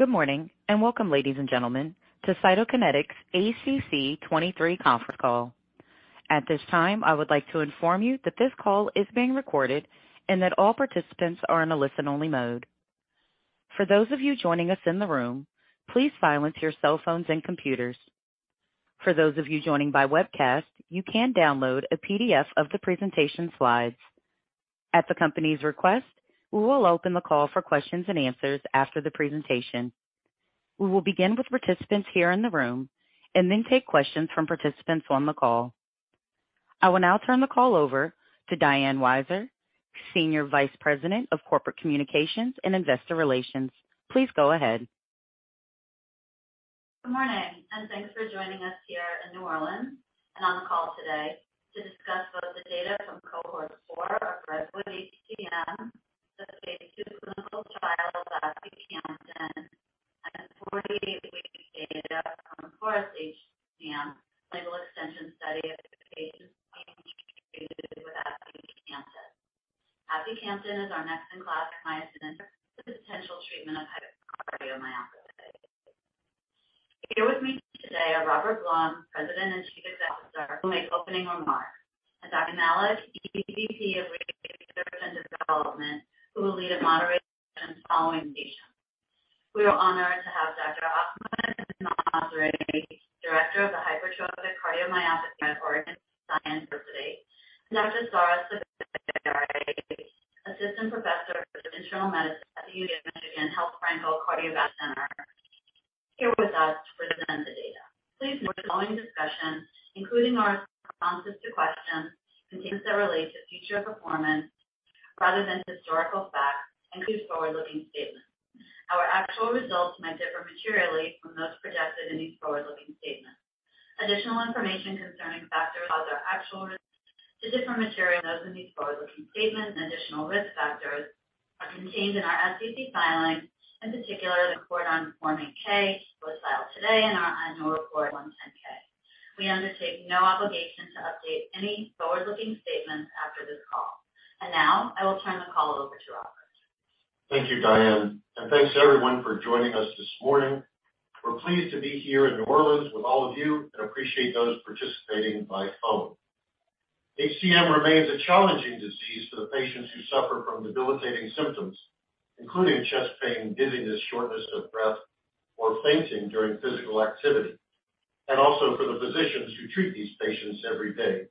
Good morning, welcome, ladies and gentlemen, to Cytokinetics ACC.23 conference call. At this time, I would like to inform you that this call is being recorded and that all participants are in a listen-only mode. For those of you joining us in the room, please silence your cell phones and computers. For those of you joining by webcast, you can download a PDF of the presentation slides. At the company's request, we will open the call for questions and answers after the presentation. We will begin with participants here in the room and then take questions from participants on the call. I will now turn the call over to Diane Weiser, Senior Vice President of Corporate Communications and Investor Relations. Please go ahead. Good morning, thanks for joining us here in New Orleans and on the call today to discuss both the data from cohort 4 of REDWOOD-HCM, the phase II clinical trial of aficamten, and the 48-week data from FOREST-HCM label extension study of patients being treated with aficamten. Aficamten is our next in-class myosin for the potential treatment of hypertrophic cardiomyopathy. Here with me today are Robert I. Blum, President and Chief Executive Officer, who will make opening remarks. Dr. Fady Malik, EVP, Research & Development, who will lead a moderation following the presentation. We are honored to have Dr. Ahmad Masri, Director, Hypertrophic Cardiomyopathy Center at Oregon Health & Science University, and Dr. Sara Saberi, Assistant Professor of Internal Medicine at the University of Michigan Health Frankel Cardiovascular Center, here with us to present the data. Please note the following discussion, including our responses to questions, contains that relate to future performance rather than historical facts and could forward-looking statements. Our actual results may differ materially from those projected in these forward-looking statements. Additional information concerning factors cause our actual results to differ materially those in these forward-looking statements and additional risk factors are contained in our SEC filings. In particular, the report on Form 8-K was filed today in our annual report on Form 10-K. We undertake no obligation to update any forward-looking statements after this call. Now I will turn the call over to Robert. Thank you, Diane. Thanks everyone for joining us this morning. We're pleased to be here in New Orleans with all of you and appreciate those participating by phone. HCM remains a challenging disease for the patients who suffer from debilitating symptoms, including chest pain, dizziness, shortness of breath or fainting during physical activity, and also for the physicians who treat these patients every day.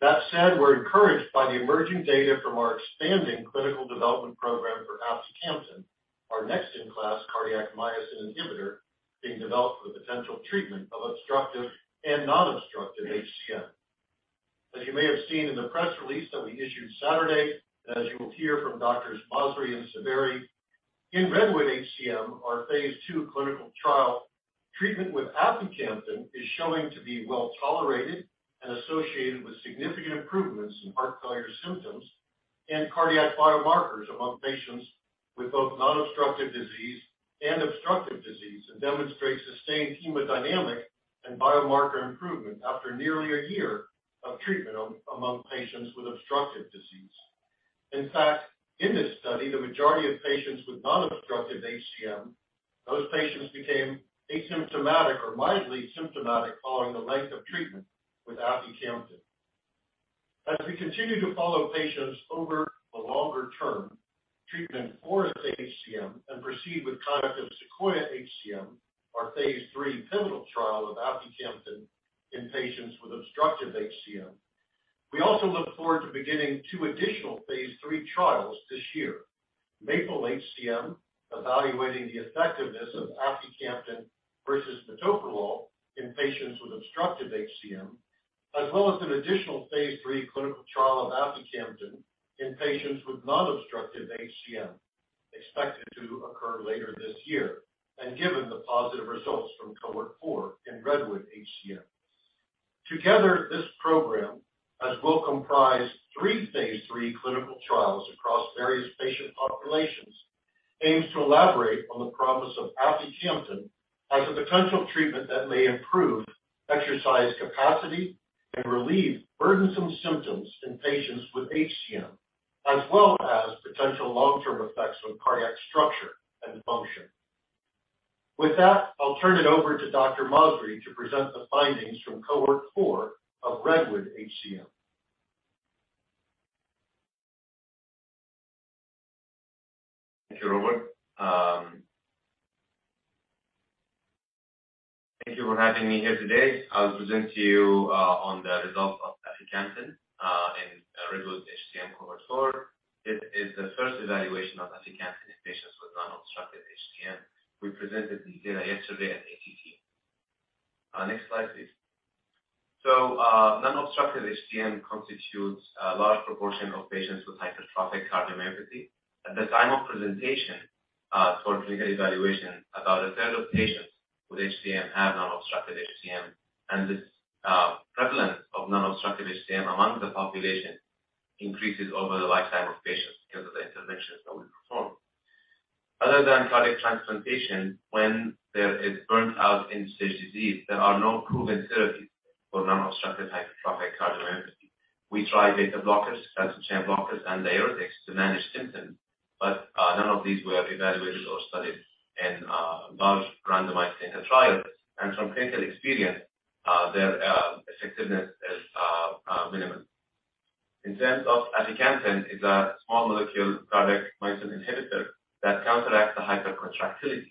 That said, we're encouraged by the emerging data from our expanding clinical development program for aficamten, our next in-class cardiac myosin inhibitor being developed for the potential treatment of obstructive and non-obstructive HCM. As you may have seen in the press release that we issued Saturday, as you will hear from Doctors Masri and Saberi in REDWOOD-HCM, our phase II clinical trial treatment with aficamten is showing to be well tolerated and associated with significant improvements in heart failure symptoms and cardiac biomarkers among patients with both non-obstructive disease and obstructive disease. Demonstrates sustained hemodynamic and biomarker improvement after nearly a year of treatment among patients with obstructive disease. In fact, in this study, the majority of patients with non-obstructive HCM, those patients became asymptomatic or mildly symptomatic following the length of treatment with aficamten. As we continue to follow patients over the longer term treatment for HCM and proceed with conduct of SEQUOIA-HCM, our phase III pivotal trial of aficamten in patients with obstructive HCM. We also look forward to beginning two additional phase III trials this year. MAPLE-HCM, evaluating the effectiveness of aficamten versus metoprolol in patients with obstructive HCM. As well as an additional phase III clinical trial of aficamten in patients with non-obstructive HCM expected to occur later this year. Given the positive results from cohort 4 in REDWOOD-HCM. Together, this program, as will comprise three phase III clinical trials across various patient populations, aims to elaborate on the promise of aficamten as a potential treatment that may improve exercise capacity and relieve burdensome symptoms in patients with HCM, as well as potential long term effects on cardiac structure and function. With that, I'll turn it over to Dr. Masri to present the findings from cohort 4 of REDWOOD-HCM. Thank you, Robert. Thank you for having me here today. I'll present to you on the results of aficamten in REDWOOD-HCM cohort 4. This is the first evaluation of aficamten in patients with non-obstructive HCM. We presented the data yesterday at ACC. Next slide please. Non-obstructive HCM constitutes a large proportion of patients with hypertrophic cardiomyopathy. At the time of presentation, for clinical evaluation, about a third of patients with HCM have non-obstructive HCM. This prevalence of non-obstructive HCM among the population increases over the lifetime of patients because of the interventions that we perform. Other than cardiac transplantation, when there is burnt out end-stage disease, there are no proven therapies for non-obstructive hypertrophic cardiomyopathy. We tried beta blockers, calcium channel blockers, and diuretics to manage symptoms. None of these were evaluated or studied in large randomized clinical trials. From clinical experience, their effectiveness is minimum. In terms of aficamten, it's a small molecule cardiac myosin inhibitor that counteracts the hypercontractility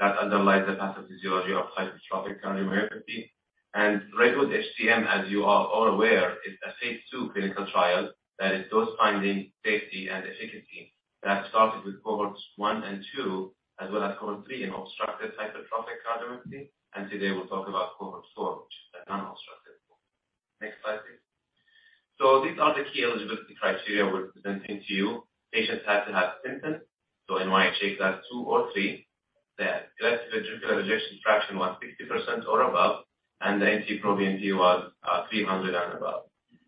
that underlies the pathophysiology of hypertrophic cardiomyopathy. REDWOOD-HCM, as you are all aware, is a phase II clinical trial that is dose-finding safety and efficacy that started with cohorts 1 and 2 as well as cohort 3 in obstructive hypertrophic cardiomyopathy. Today we'll talk about cohort 4, which is a non-obstructive cohort. Next slide, please. These are the key eligibility criteria we're presenting to you. Patients had to have symptoms, NYHA Class II or III. Their left ventricular ejection fraction was 60% or above, the NT-proBNP was 300 and above.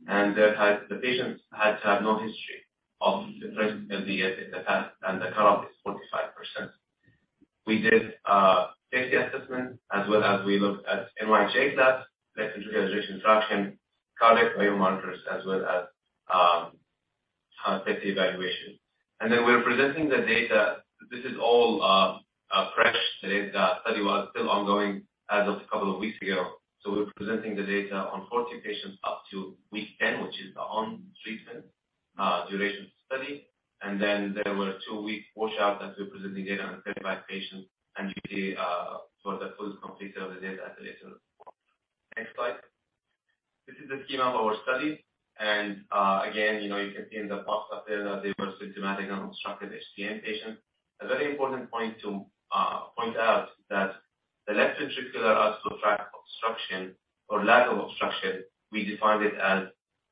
The patients had to have no history of URSA-MAJOR in the past, and the cut-off is 45%. We did safety assessment as well as we looked at NYHA class, left ventricular ejection fraction, cardiac biomarkers as well as safety evaluation. We're presenting the data. This is all fresh data. Study was still ongoing as of a couple of weeks ago. We're presenting the data on 40 patients up to week 10, which is the on treatment duration study. There were two week washouts, and we're presenting data on 35 patients and usually, for the full completed of the data at a later report. Next slide. This is the schema of our study. Again, you know, you can see in the box up there that they were symptomatic and obstructive HCM patients. A very important point to point out that the left ventricular outflow tract obstruction or lack of obstruction, we defined it as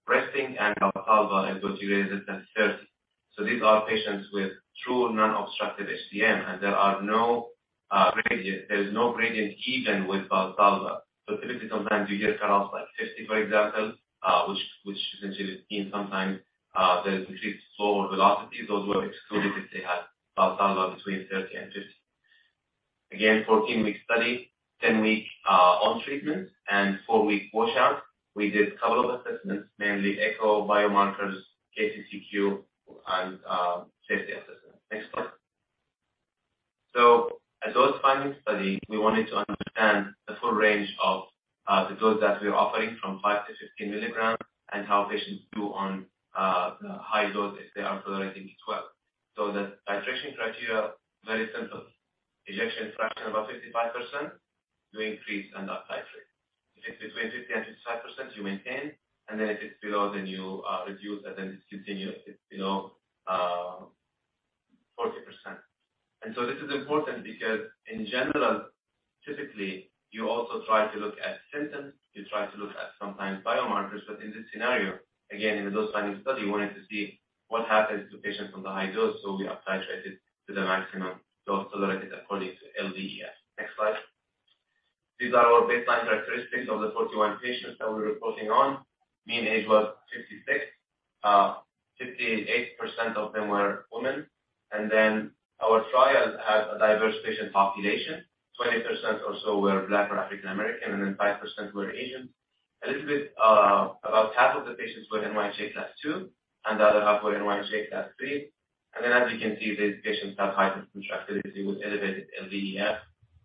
resting and Valsalva is greater than 30. These are patients with true non-obstructive HCM, and there are no gradient. There is no gradient even with Valsalva. Physically sometimes you get cut-offs like 50, for example, which you can see the skin sometimes, there's increased flow velocity. Those were excluded if they had Valsalva between 30 and 50. Again, 14-week study, 10 week on treatment, and four week washout. We did a couple of assessments, mainly echo, biomarkers, KCCQ, and safety assessment. Next slide. A dose-finding study, we wanted to understand the full range of the dose that we're offering from 5-15 mg and how patients do on the high dose if they are tolerating it well. The titration criteria, very simple. Ejection fraction above 55%, you increase and up titrate. If it's between 50%-55%, you maintain. If it's below, then you reduce and then discontinue if it's below 40%. This is important because in general, typically, you also try to look at symptoms. You try to look at sometimes biomarkers. In this scenario, again, in the dose-finding study, we wanted to see what happens to patients on the high dose, so we up titrated to the maximum dose tolerated according to LVEF. Next slide. These are our baseline characteristics of the 41 patients that we're reporting on. Mean age was 56. 58% of them were women. Our trial has a diverse patient population. 20% or so were Black or African American, 5% were Asian. A little bit, about half of the patients were NYHA Class II, and the other half were NYHA Class III. As you can see, these patients have hypercontractility with elevated LVEF,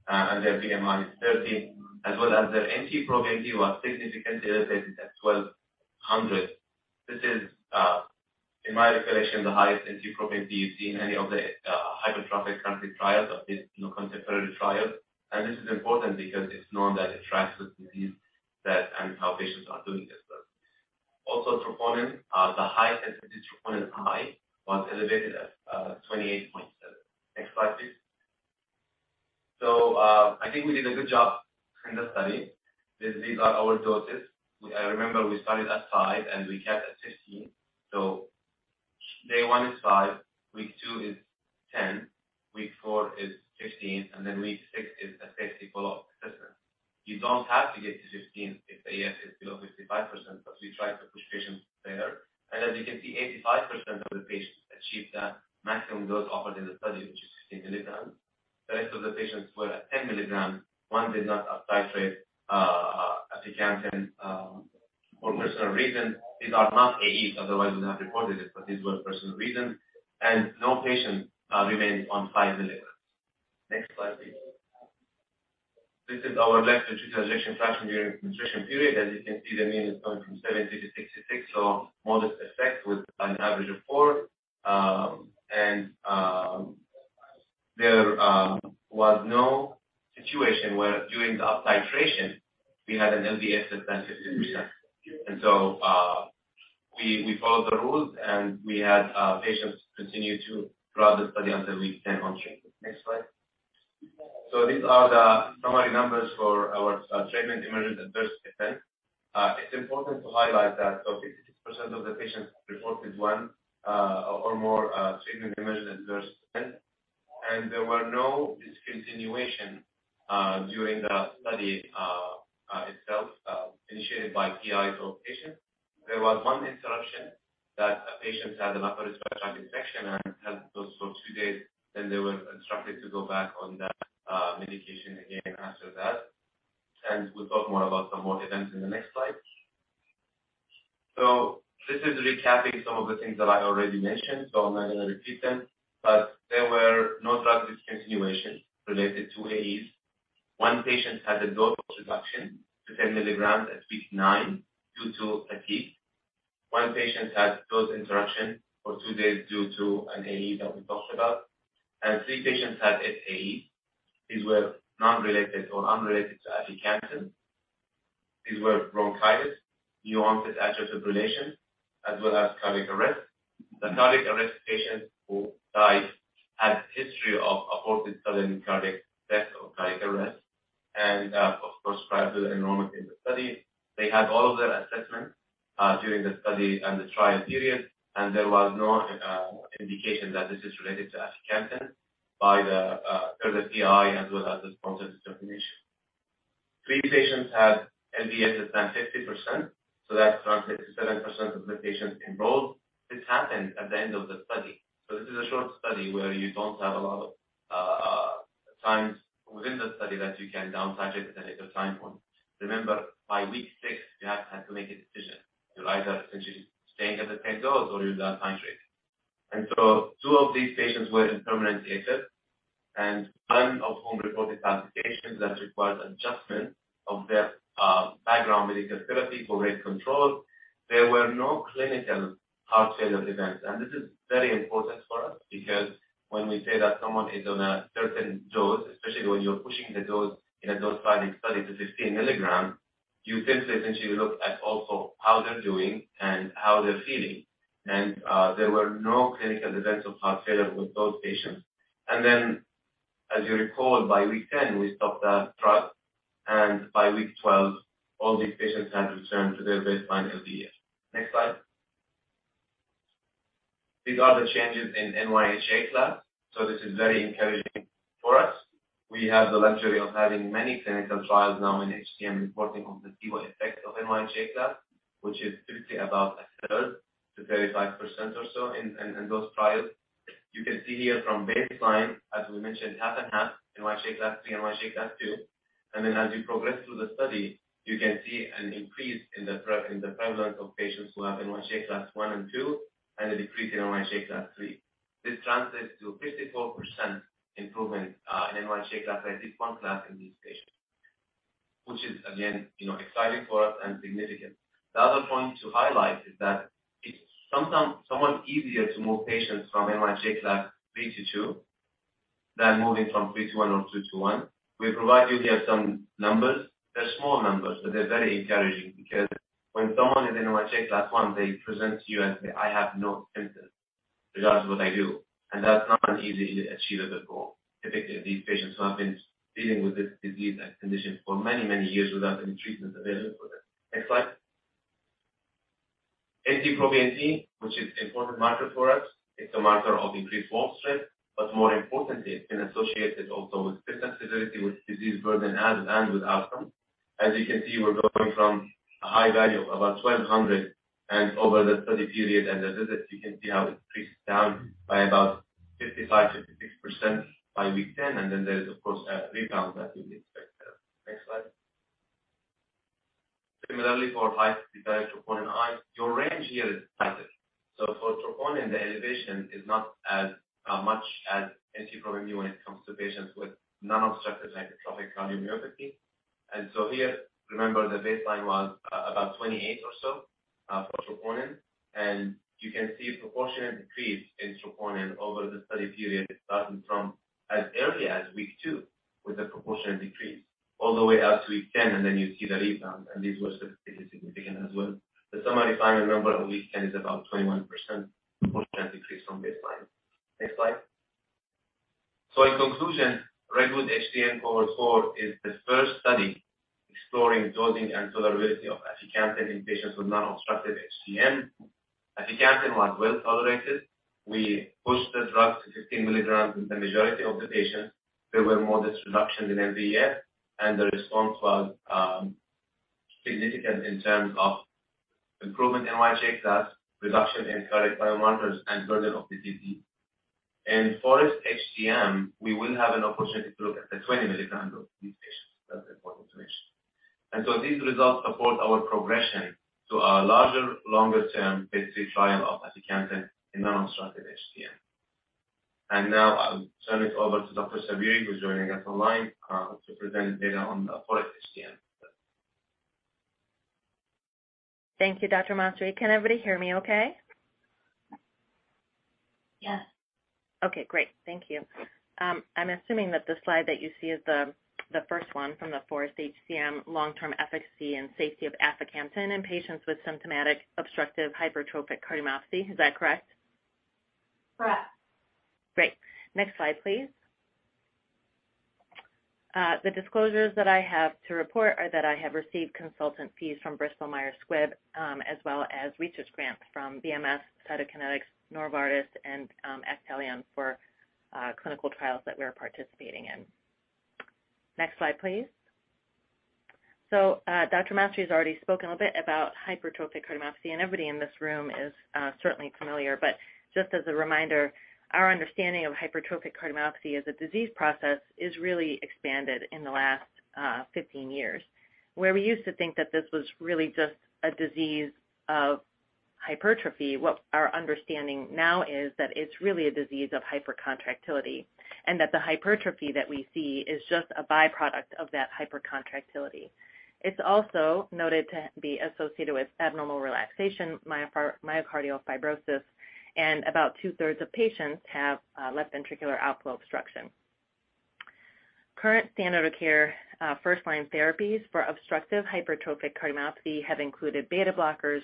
and their BMI is 30, as well as their NT-proBNP was significantly elevated at 1,200. This is, in my recollection, the highest NT-proBNP you've seen in any of the hypertrophic cardiac trials of this, you know, contemporary trial. This is important because it's known that it tracks with disease and how patients are doing as well. Also troponin, the high-sensitivity troponin I was elevated at 28.7. Next slide, please. I think we did a good job in the study. These are our doses. Remember we started at five, and we capped at 15. Day One is five, week two is 10, week four is 15, and then week six is a safety follow-up assessment. You don't have to get to 15 if the EF is below 55%, but we try to push patients there. As you can see, 85% of the patients achieved the maximum dose offered in the study, which is 15 mg. The rest of the patients were at 10 mg. One did not up titrate aficamten for personal reasons. These are not AEs, otherwise we'd have recorded it, but these were personal reasons. No patient remained on 5 mg. Next slide, please. This is our left ventricular ejection fraction during the titration period. As you can see, the mean is going from 70 to 66, so modest effect with an average of four. There was no situation where during the up titration we had an LVEF less than 60%. We followed the rules, and we had patients continue to throughout the study until week 10 on treatment. Next slide. These are the summary numbers for our treatment-emergent adverse event. It's important to highlight that of the 66% of the patients reported 1 or more treatment-emergent adverse event. There were no discontinuation during the study itself initiated by PI or patient. There was one interruption that a patient had an upper respiratory infection and had those for two days, then they were instructed to go back on that medication again after that. We'll talk more about some more events in the next slide. This is recapping some of the things that I already mentioned, so I'm not going to repeat them. There were no drug discontinuation related to AEs. One patient had a dose reduction to 10 mg at week nine due to a hip. One patient had dose interaction for two days due to an AE that we talked about. Three patients had an AE. These were non-related or unrelated to aficamten. These were bronchitis, new onset atrial fibrillation, as well as cardiac arrest. The cardiac arrest patient who died had history of aborted sudden cardiac death or cardiac arrest was prescribed to the enrollment in the study. They had all of their assessments during the study and the trial period, there was no indication that this is related to aficamten by the further TI as well as the sponsored determination. Three patients had LVEF less than 50%, that's around 67% of the patients enrolled. This happened at the end of the study. This is a short study where you don't have a lot of times within the study that you can down titrate at a later time point. Remember, by week six, you have to make a decision. You either essentially staying at the same dose or you down titrate. Two of these patients were intermittent AFib, and one of whom reported palpitations that required adjustment of their background medical therapy for rate control. There were no clinical heart failure events. This is very important for us because when we say that someone is on a certain dose, especially when you're pushing the dose in a dose-finding study to 15 mg, you can essentially look at also how they're doing and how they're feeling. There were no clinical events of heart failure with those patients. As you recall, by week 10, we stopped the drug, and by week 12, all these patients had returned to their baseline LVEF. Next slide. These are the changes in NYHA class. This is very encouraging for us. We have the luxury of having many clinical trials now in HCM reporting on the placebo effect of NYHA class, which is typically about a third to 35% or so in those trials. You can see here from baseline, as we mentioned, half and half NYHA Class III and NYHA Class II. As you progress through the study, you can see an increase in the prevalence of patients who have NYHA Class I and II and a decrease in NYHA Class III. This translates to a 54% improvement in NYHA Class at this I class in these patients, which is again, you know, exciting for us and significant. The other point to highlight is that it's sometimes somewhat easier to move patients from NYHA Class III to II than moving from III to I or II to I. We provide you here some numbers. They're small numbers, but they're very encouraging because when someone is in NYHA Class I, they present to you and say, "I have no symptoms regardless of what I do." That's not an easily achievable goal, typically, these patients who have been dealing with this disease and condition for many, many years without any treatment available for them. Next slide. NT-proBNP, which is important marker for us. It's a marker of increased wall stress, but more importantly, it's been associated also with symptom severity, with disease burden as and with outcome. As you can see, we're going from a high value of about 1,200 and over the study period and the visits, you can see how it decreased down by about 55%-56% by week 10. Then there is, of course, a rebound that you'd expect there. Next slide. Similarly for high-sensitivity troponin I, your range here is tighter. For troponin, the elevation is not as much as NT-proBNP when it comes to patients with non-obstructive hypertrophic cardiomyopathy. Here, remember the baseline was about 28 or so for troponin. You can see a proportionate decrease in troponin over the study period, starting from as early as week two with a proportionate decrease all the way up to week 10, then you see the rebound. These were statistically significant as well. The summary final number at week 10 is about 21% proportionate decrease from baseline. Next slide. In conclusion, REDWOOD-HCM over 4 is the first study exploring dosing and tolerability of aficamten in patients with non-obstructive HCM. Aficamten was well-tolerated. We pushed the drug to 15 mg in the majority of the patients. There were modest reductions in LVEF, and the response was significant in terms of improvement in NYHA Class, reduction in cardiac biomarkers, and burden of the disease. In FOREST-HCM, we will have an opportunity to look at the 20 mg of these patients. That's important to mention. These results support our progression to a larger, longer-term phase III trial of aficamten in non-obstructive HCM. I'll turn it over to Dr. Saberi, who's joining us online, to present data on the FOREST-HCM study. Thank you, Dr. Masri. Can everybody hear me okay? Yes. Okay, great. Thank you. I'm assuming that the slide that you see is the first one from the FOREST-HCM long-term efficacy and safety of aficamten in patients with symptomatic obstructive hypertrophic cardiomyopathy. Is that correct? Correct. Great. Next slide, please. The disclosures that I have to report are that I have received consultant fees from Bristol Myers Squibb, as well as research grants from BMS, Cytokinetics, Novartis, and Actelion for clinical trials that we are participating in. Next slide, please. Dr. Masri has already spoken a bit about hypertrophic cardiomyopathy, and everybody in this room is certainly familiar. Just as a reminder, our understanding of hypertrophic cardiomyopathy as a disease process is really expanded in the last 15 years. Where we used to think that this was really just a disease of hypertrophy, what our understanding now is that it's really a disease of hypercontractility, and that the hypertrophy that we see is just a byproduct of that hypercontractility. It's also noted to be associated with abnormal relaxation, myocardial fibrosis, and about 2/3 of patients have left ventricular outflow obstruction. Current standard of care, first-line therapies for obstructive hypertrophic cardiomyopathy have included beta blockers,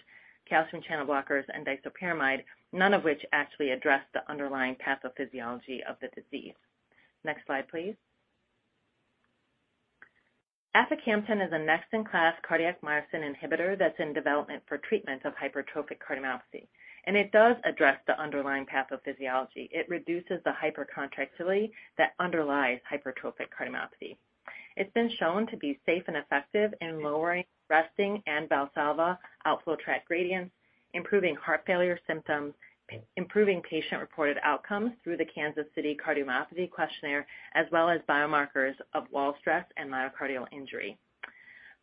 calcium channel blockers, and disopyramide, none of which actually address the underlying pathophysiology of the disease. Next slide, please. Aficamten is a next-in-class cardiac myosin inhibitor that's in development for treatment of hypertrophic cardiomyopathy, and it does address the underlying pathophysiology. It reduces the hypercontractility that underlies hypertrophic cardiomyopathy. It's been shown to be safe and effective in lowering resting and Valsalva outflow tract gradients, improving heart failure symptoms, improving patient-reported outcomes through the Kansas City Cardiomyopathy Questionnaire, as well as biomarkers of wall stress and myocardial injury.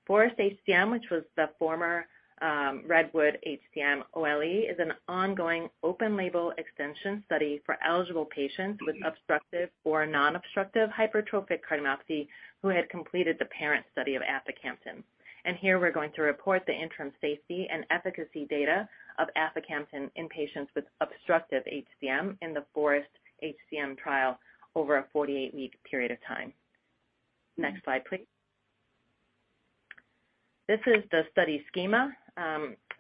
FOREST-HCM, which was the former REDWOOD-HCM OLE, is an ongoing open-label extension study for eligible patients with obstructive or non-obstructive hypertrophic cardiomyopathy who had completed the parent study of aficamten. Here we're going to report the interim safety and efficacy data of aficamten in patients with obstructive HCM in the FOREST-HCM trial over a 48-week period of time. Next slide, please. This is the study schema.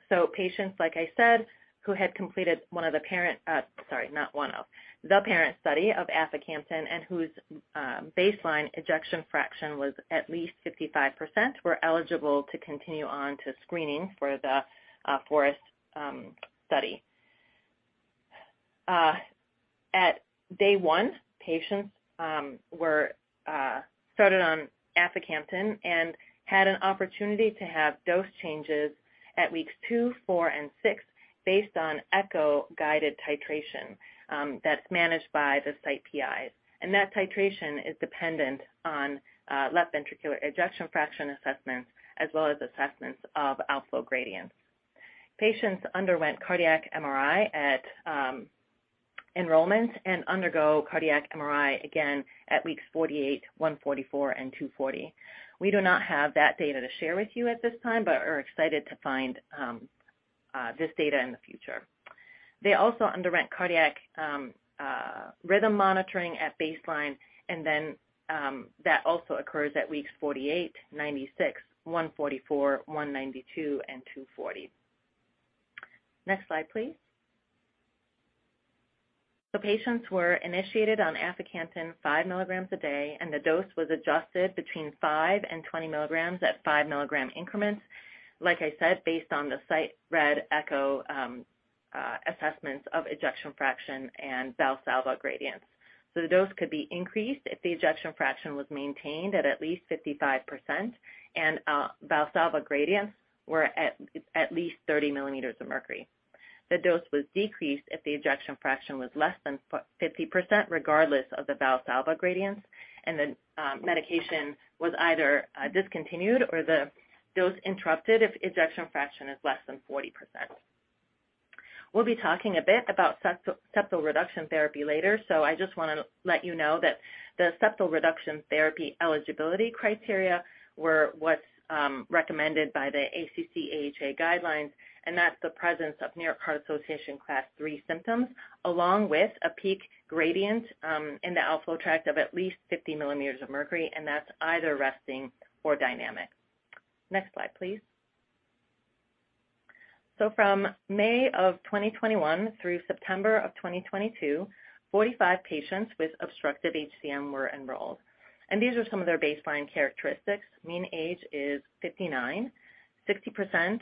So patients, like I said, who had completed the parent study of aficamten and whose baseline ejection fraction was at least 55%, were eligible to continue on to screening for the FOREST study. At Day One, patients were started on aficamten and had an opportunity to have dose changes at weeks two, four, and six based on echo-guided titration that's managed by the site PIs. That titration is dependent on left ventricular ejection fraction assessments, as well as assessments of outflow gradients. Patients underwent cardiac MRI at enrollment and undergo cardiac MRI again at weeks 48, 144, and 240. We do not have that data to share with you at this time, are excited to find this data in the future. They also underwent cardiac rhythm monitoring at baseline, that also occurs at weeks 48, 96, 144, 192, and 240. Next slide, please. The patients were initiated on aficamten 5 mg a day. The dose was adjusted between 5 and 20 mg at 5 mg increments, like I said, based on the site read echo, assessments of ejection fraction and Valsalva gradients. The dose could be increased if the ejection fraction was maintained at least 55%, and Valsalva gradients were at least 30 mL of mercury. The dose was decreased if the ejection fraction was less than 50%, regardless of the Valsalva gradients, and the medication was either discontinued or the dose interrupted if ejection fraction is less than 40%. We'll be talking a bit about septal reduction therapy later, so I just want to let you know that the septal reduction therapy eligibility criteria were what is recommended by the ACC/AHA guidelines, and that is the presence of New York Heart Association Class III symptoms, along with a peak gradient in the outflow tract of at least 50 mL of mercury, and that is either resting or dynamic. Next slide, please. From May of 2021 through September of 2022, 45 patients with obstructive HCM were enrolled. These are some of their baseline characteristics. Mean age is 59. 60%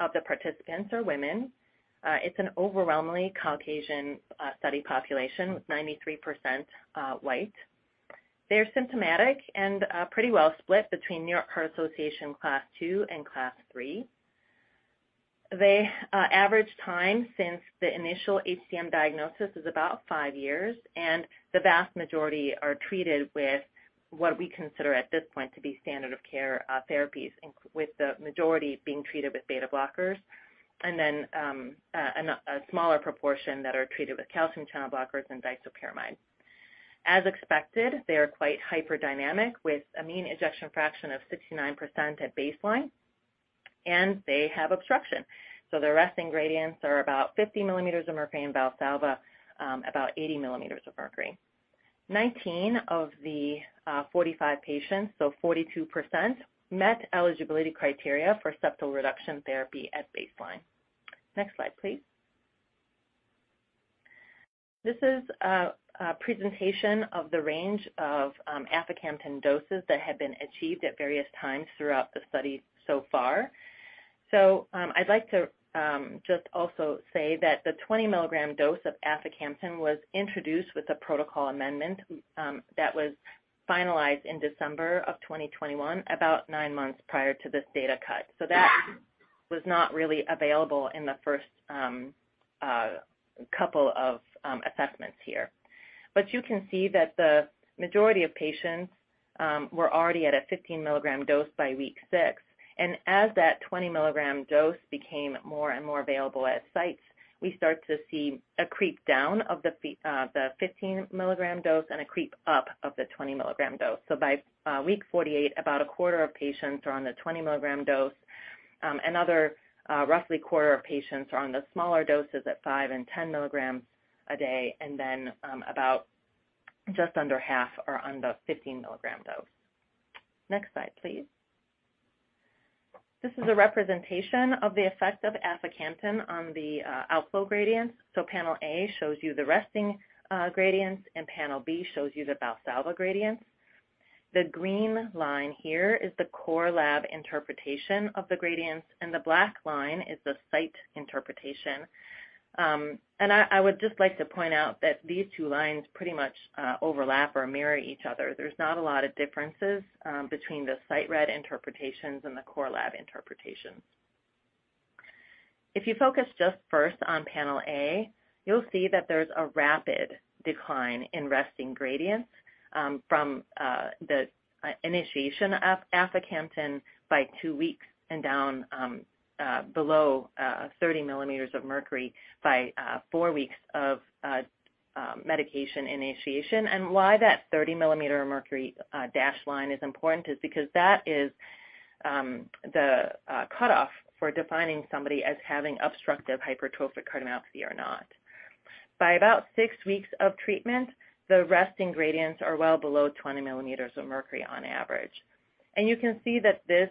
of the participants are women. It is an overwhelmingly Caucasian study population, with 93% white. They are symptomatic and pretty well split between New York Heart Association Class II and Class III. The average time since the initial HCM diagnosis is about five years, and the vast majority are treated with what we consider at this point to be standard of care therapies, with the majority being treated with beta blockers and then an a smaller proportion that are treated with calcium channel blockers and disopyramide. As expected, they are quite hyperdynamic, with a mean ejection fraction of 69% at baseline, and they have obstruction. Their resting gradients are about 50 mL of mercury in Valsalva, about 80 mL of mercury. 19 of the 45 patients, so 42%, met eligibility criteria for septal reduction therapy at baseline. Next slide, please. This is a presentation of the range of aficamten doses that have been achieved at various times throughout the study so far. I'd like to just also say that the 20 mg dose of aficamten was introduced with a protocol amendment that was finalized in December of 2021, about 9 months prior to this data cut. That was not really available in the first couple of assessments here. You can see that the majority of patients were already at a 15 mg dose by week six. As that 20 mg dose became more and more available at sites, we start to see a creep down of the 15 mg dose and a creep up of the 20 mg dose. By week 48, about a quarter of patients are on the 20 mg dose. Another, roughly quarter of patients are on the smaller doses at five and 10 mg a day, and then, about just under half are on the 15 mg dose. Next slide, please. This is a representation of the effect of aficamten on the outflow gradients. Panel A shows you the resting gradients, and panel B shows you the Valsalva gradients. The green line here is the core lab interpretation of the gradients, and the black line is the site interpretation. I would just like to point out that these two lines pretty much overlap or mirror each other. There's not a lot of differences between the site read interpretations and the core lab interpretations. If you focus just first on panel A, you'll see that there's a rapid decline in resting gradients, from the initiation of aficamten by two weeks and down below 30 mL of mercury by four weeks of medication initiation. Why that 30 mLr of mercury dashed line is important is because that is the cutoff for defining somebody as having obstructive hypertrophic cardiomyopathy or not. By about six weeks of treatment, the resting gradients are well below 20 mL of mercury on average. You can see that this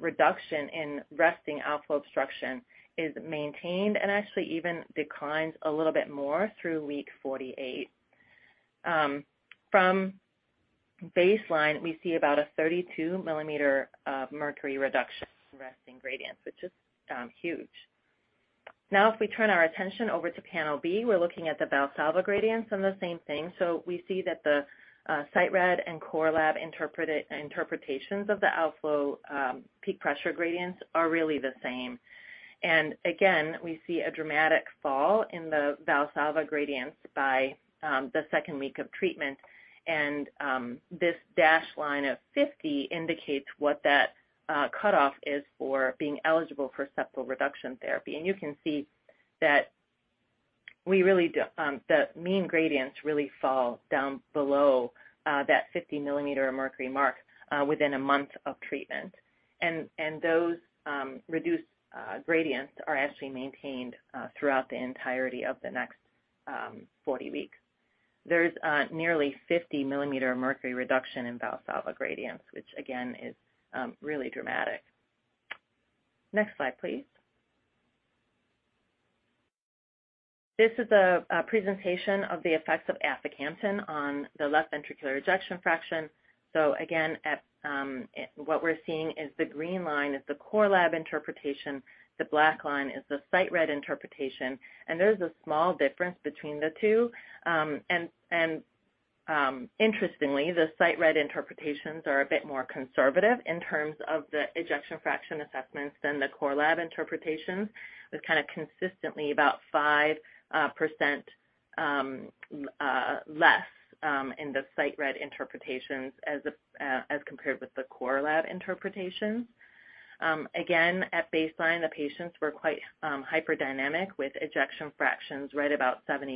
reduction in resting outflow obstruction is maintained and actually even declines a little bit more through week 48. From baseline, we see about a 32 mL mercury reduction in resting gradients, which is huge. If we turn our attention over to panel B, we're looking at the Valsalva gradients and the same thing. We see that the site read and core lab interpretations of the outflow peak pressure gradients are really the same. Again, we see a dramatic fall in the Valsalva gradients by the second week of treatment. This dashed line of 50 indicates what that cutoff is for being eligible for septal reduction therapy. You can see that the mean gradients really fall down below that 50 mL of mercury mark within a month of treatment. Those reduced gradients are actually maintained throughout the entirety of the next 40 weeks. There's nearly 50 mL of mercury reduction in Valsalva gradients, which again is really dramatic. Next slide, please. This is a presentation of the effects of aficamten on the left ventricular ejection fraction. Again, at what we're seeing is the green line is the core lab interpretation. The black line is the site read interpretation. There's a small difference between the two. Interestingly, the site read interpretations are a bit more conservative in terms of the ejection fraction assessments than the core lab interpretations. It's kind of consistently about 5% less in the site read interpretations as compared with the core lab interpretations. Again, at baseline, the patients were quite hyperdynamic with ejection fractions right about 70%.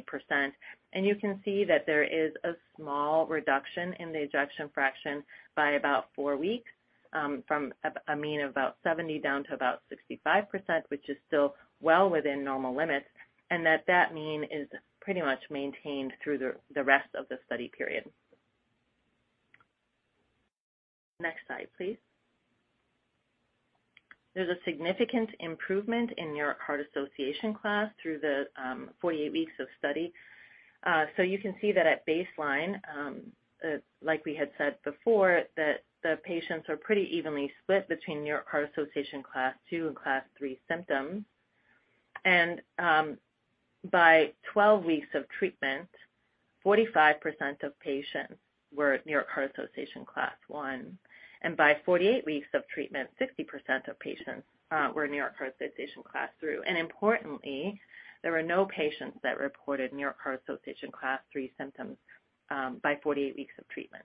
You can see that there is a small reduction in the ejection fraction by about four weeks, from a mean of about 70 down to about 65%, which is still well within normal limits, and that that mean is pretty much maintained through the rest of the study period. Next slide, please. There's a significant improvement in New York Heart Association class through the 48 weeks of study. So you can see that at baseline, like we had said before, that the patients are pretty evenly split between New York Heart Association Class II and Class III symptoms. By 12 weeks of treatment, 45% of patients were New York Heart Association Class I. By 48 weeks of treatment, 60% of patients were New York Heart Association Class III. Importantly, there were no patients that reported New York Heart Association Class III symptoms by 48 weeks of treatment.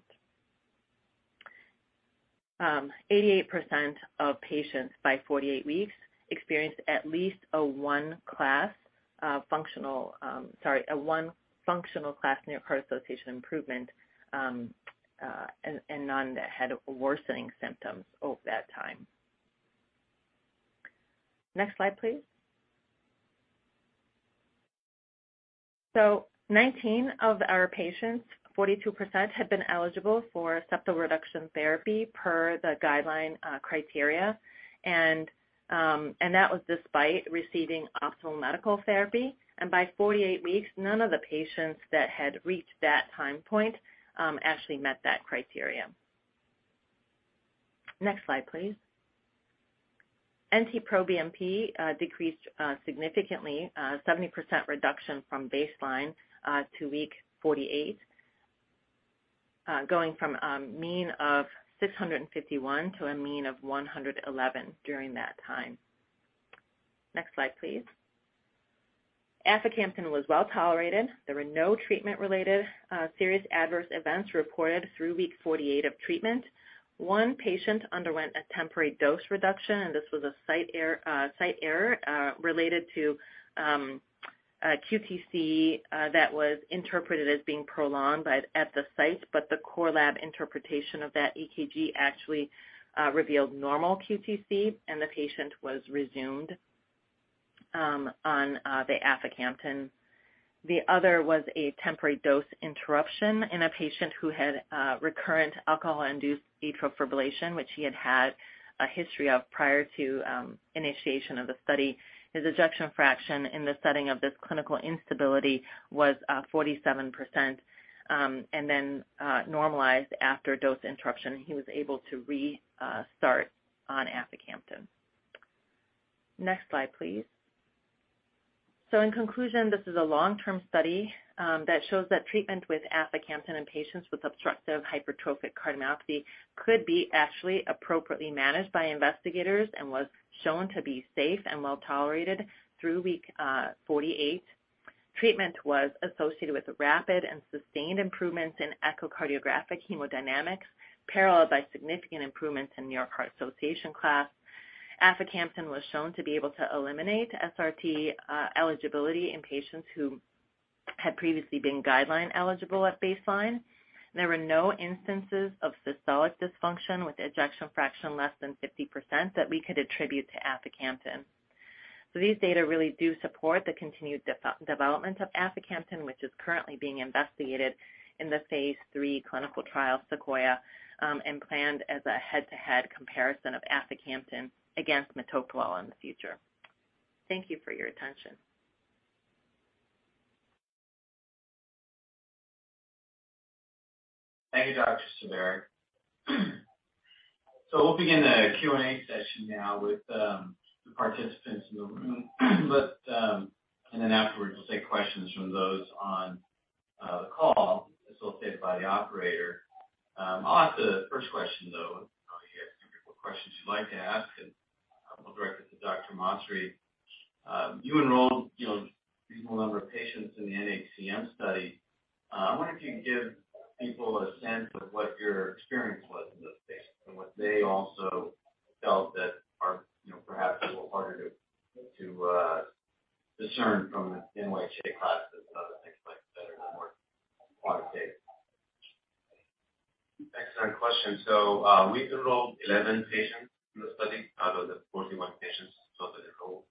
88% of patients by 48 weeks experienced at least a one class functional, sorry, a one functional class New York Heart Association improvement, and none that had worsening symptoms over that time. Next slide, please. Nineteen of our patients, 42%, had been eligible for septal reduction therapy per the guideline criteria. That was despite receiving optimal medical therapy. By 48 weeks, none of the patients that had reached that time point actually met that criteria. Next slide, please. NT-proBNP decreased significantly, 70% reduction from baseline to week 48, going from a mean of 651 to a mean of 111 during that time. Next slide, please. Aficamten was well tolerated. There were no treatment-related serious adverse events reported through week 48 of treatment. One patient underwent a temporary dose reduction, and this was a site error related to QTC that was interpreted as being prolonged by at the site. The core lab interpretation of that EKG actually revealed normal QTC, and the patient was resumed on the aficamten. The other was a temporary dose interruption in a patient who had recurrent alcohol-induced atrial fibrillation, which he had had a history of prior to initiation of the study. His ejection fraction in the setting of this clinical instability was 47%, and then normalized after dose interruption. He was able to restart on aficamten. Next slide, please. In conclusion, this is a long-term study that shows that treatment with aficamten in patients with obstructive hypertrophic cardiomyopathy could be actually appropriately managed by investigators and was shown to be safe and well tolerated through week 48. Treatment was associated with rapid and sustained improvements in echocardiographic hemodynamics, paralleled by significant improvements in New York Heart Association class. Aficamten was shown to be able to eliminate SRT eligibility in patients who had previously been guideline eligible at baseline. There were no instances of systolic dysfunction with ejection fraction less than 50% that we could attribute to aficamten. These data really do support the continued development of aficamten, which is currently being investigated in the phase III clinical trial SEQUOIA-HCM, and planned as a head-to-head comparison of aficamten against metoprolol in the future. Thank you for your attention. Thank you, Dr. Saberi. We'll begin the Q&A session now with the participants in the room. Afterwards we'll take questions from those on the call associated by the operator. I'll ask the first question, though. I know you have a couple of questions you'd like to ask, and I'll direct it to Dr. Masri. You enrolled, you know, a reasonable number of patients in the NHCM study. I wonder if you can give people a sense of what your experience was in this space and what they also felt that are, you know, perhaps a little harder to discern from NYHA Classes and other things like that are more quantitative. Excellent question. We've enrolled 11 patients in the study out of the 41 patients total enrolled.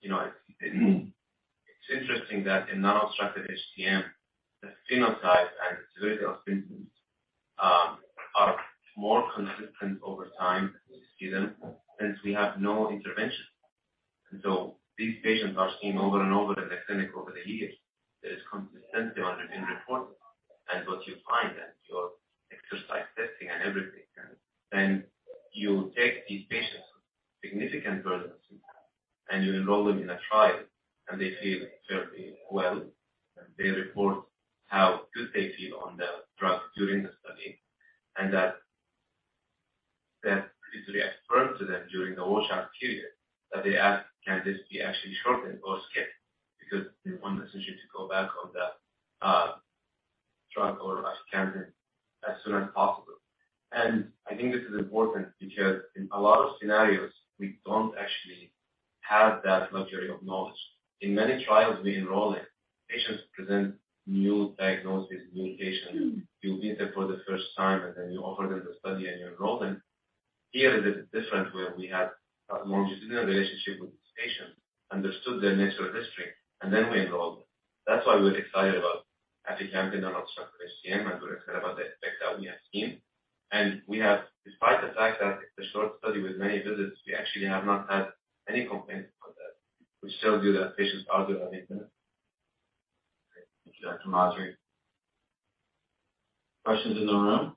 You know, it's interesting that in non-obstructive HCM, the phenotypes and severity of symptoms are more consistent over time with students since we have no intervention. These patients are seen over and over in the clinic over the years. There is consistency on the report and what you find and your exercise testing and everything. You take these patients with significant burden of symptoms, and you enroll them in a trial, and they feel fairly well. They report how good they feel on the drug during the study, and that that's particularly affirmed to them during the washout period that they ask, "Can this be actually shortened or skipped?" Because they want essentially to go back on the drug or aficamten as soon as possible. I think this is important because in a lot of scenarios, we don't actually have that luxury of knowledge. In many trials we enroll in, patients present new diagnosis, new patients. You meet them for the first time, and then you offer them the study, and you enroll them. Here it is different where we have a longitudinal relationship with these patients, understood their natural history, and then we enrolled them. That's why we're excited about aficamten in obstructive HCM, and we're excited about the effect that we have seen. Despite the fact that it's a short study with many visits, we actually have not had any complaints about that. We still do the patients' positive on internet. Great. Thank you, Dr. Masri. Questions in the room?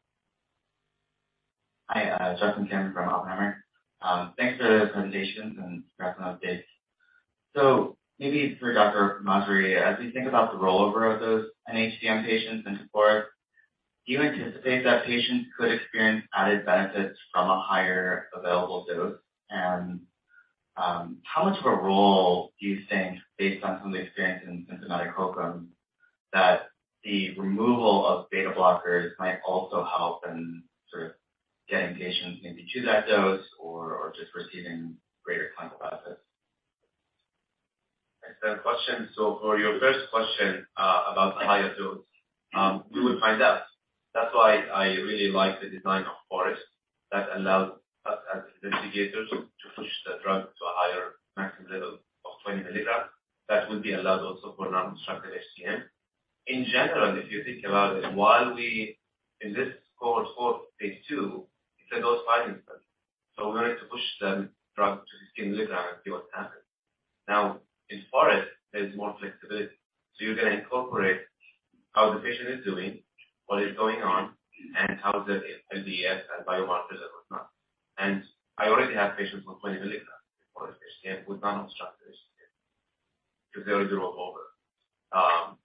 Hi, Justin Kim from Oppenheimer. Thanks for the presentations and graphs and updates. Maybe for Dr. Masri, as we think about the rollover of those NHCM patients in SEQUOIA-HCM, do you anticipate that patients could experience added benefits from a higher available dose? How much of a role do you think, based on some of the experience in symptomatic oHCM, that the removal of beta blockers might also help in sort of getting patients maybe to that dose or just receiving greater clinical benefits? Excellent question. For your first question about higher dose, we will find out. That's why I really like the design of FOREST that allows us as investigators to push the drug to a higher maximum level of 20 mg. That would be allowed also for non-obstructive HCM. In general, if you think about it, while in this cohort for phase II, it's a dose finding study. We're going to push the drug to 20 mg and see what happens. In FOREST, there's more flexibility. You're gonna incorporate how the patient is doing, what is going on, and how the LVEF and biomarkers and whatnot. I already have patients on 20 mg in FOREST-HCM with non-obstructive HCM because they already were over,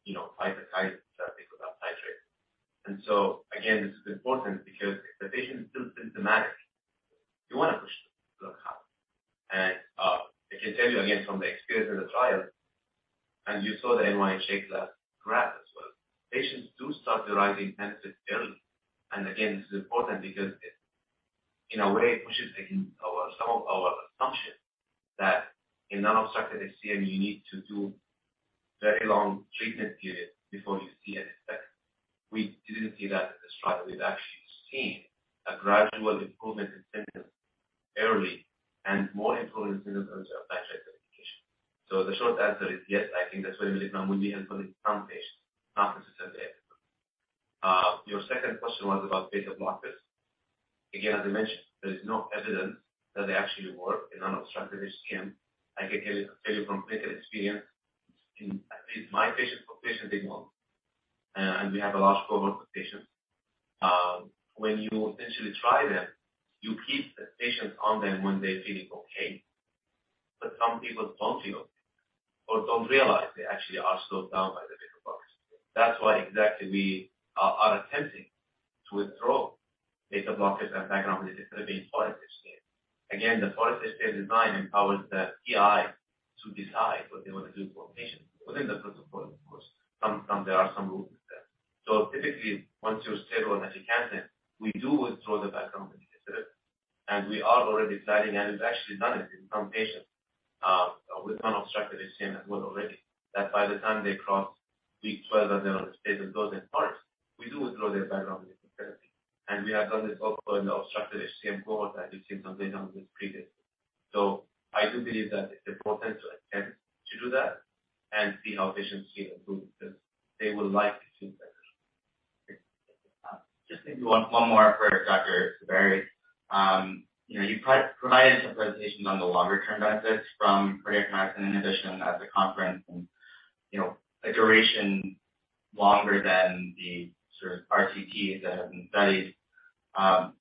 you know, either titrating therapy for that nitrate. Again, this is important because if the patient is still symptomatic, you wanna push the dose higher. I can tell you again from the experience in the trial, and you saw the NYHA Class graph as well. Patients do start deriving benefits early. Again, this is important because it in a way pushes against some of our assumptions that in non-obstructive HCM, you need to do very long treatment periods before you see any effect. We didn't see that in the trial. We've actually seen a gradual improvement in symptoms early and more improvement in symptoms with a nitrate medication. The short answer is yes, I think that 20 mg will be helpful in some patients, not necessarily everyone. Your second question was about beta blockers. Again, as I mentioned, there is no evidence that they actually work in non-obstructive HCM. I can tell you from clinical experience, in at least my patients, for patients, they won't. We have a large cohort of patients. When you initially try them, you keep the patients on them when they're feeling okay. Some people don't feel or don't realize they actually are slowed down by the beta blockers. That's why exactly we are attempting to withdraw beta blockers and background beta-blockade in FOREST-HCM. Again, the FOREST-HCM design empowers the PI to decide what they wanna do for a patient within the protocol, of course. There are some rules there. Typically, once you're stable on mavacamten, we do withdraw the background beta-blocker. We are already deciding, and it's actually done it in some patients with non-obstructive HCM as well already. That by the time they cross week 12 and they're on a stable dose in FOREST, we do withdraw their background beta-blockade. We have done this also in obstructive HCM cohorts that you've seen some data on this previously. I do believe that it's important to attempt to do that and see how patients feel improved because they would like to feel better. Just maybe one more for Sara Saberi. You know, you provided some presentations on the longer-term benefits from cardiac myosin inhibition at the conference and, you know, a duration longer than the sort of RCTs that have been studied.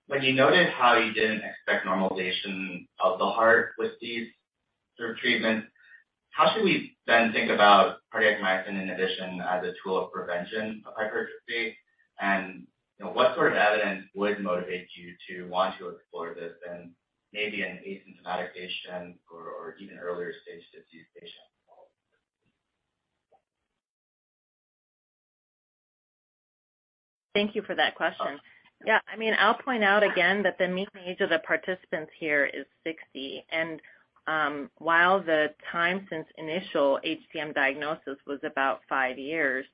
When you noted how you didn't expect normalization of the heart with these sort of treatments, how should we then think about cardiac myosin inhibition as a tool of prevention of hypertrophy? You know, what sort of evidence would motivate you to want to explore this in maybe an asymptomatic patient or even earlier stage disease patient? Thank you for that question. Yeah, I mean, I'll point out again that the mean age of the participants here is 60. While the time since initial HCM diagnosis was about five years,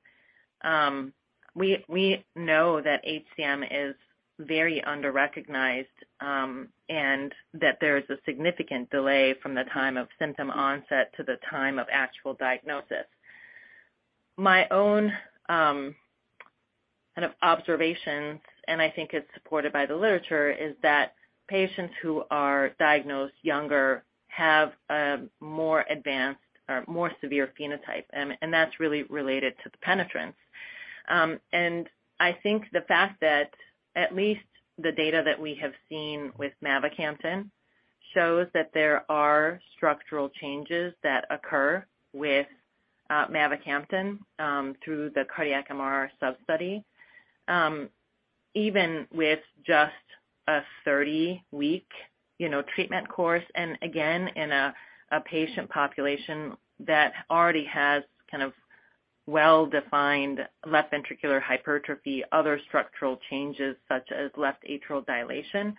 we know that HCM is very under-recognized, and that there is a significant delay from the time of symptom onset to the time of actual diagnosis. My own kind of observations, and I think it's supported by the literature, is that patients who are diagnosed younger have a more advanced or more severe phenotype, and that's really related to the penetrance. I think the fact that at least the data that we have seen with mavacamten shows that there are structural changes that occur with mavacamten through the cardiac MR sub study. Even with just a 30-week, you know, treatment course, again, in a patient population that already has kind of well-defined left ventricular hypertrophy, other structural changes such as left atrial dilation.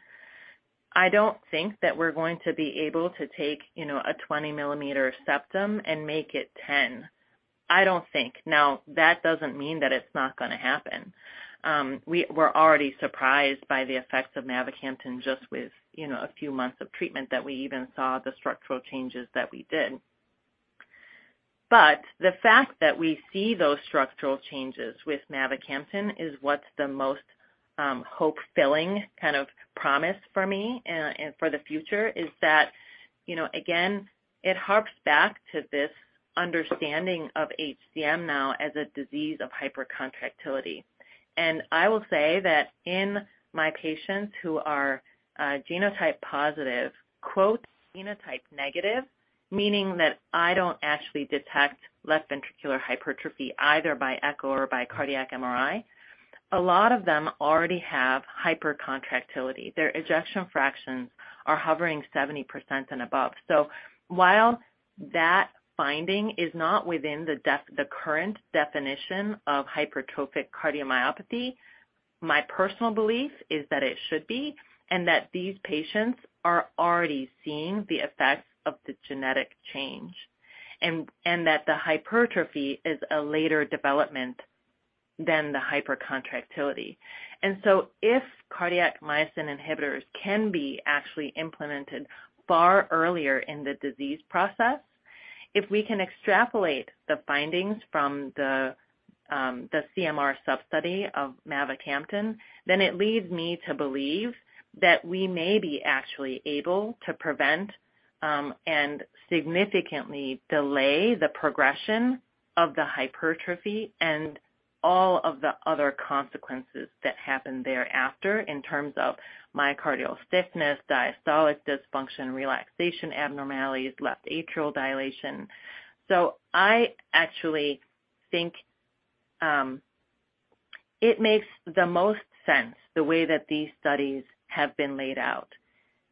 I don't think that we're going to be able to take, you know, a 20 mL septum and make it 10. I don't think. That doesn't mean that it's not gonna happen. We were already surprised by the effects of mavacamten just with, you know, a few months of treatment that we even saw the structural changes that we did. The fact that we see those structural changes with mavacamten is what's the most, hope filling kind of promise for me and for the future, is that, you know, again, it harps back to this understanding of HCM now as a disease of hypercontractility. I will say that in my patients who are genotype positive, quote, "phenotype negative," meaning that I don't actually detect left ventricular hypertrophy either by echo or by cardiac MRI. A lot of them already have hypercontractility. Their ejection fractions are hovering 70% and above. While that finding is not within the current definition of hypertrophic cardiomyopathy, my personal belief is that it should be, and that these patients are already seeing the effects of the genetic change. That the hypertrophy is a later development than the hypercontractility. If cardiac myosin inhibitors can be actually implemented far earlier in the disease process. If we can extrapolate the findings from the CMR sub-study of mavacamten, then it leads me to believe that we may be actually able to prevent and significantly delay the progression of the hypertrophy and all of the other consequences that happen thereafter in terms of myocardial stiffness, diastolic dysfunction, relaxation abnormalities, left atrial dilation. I actually think it makes the most sense the way that these studies have been laid out.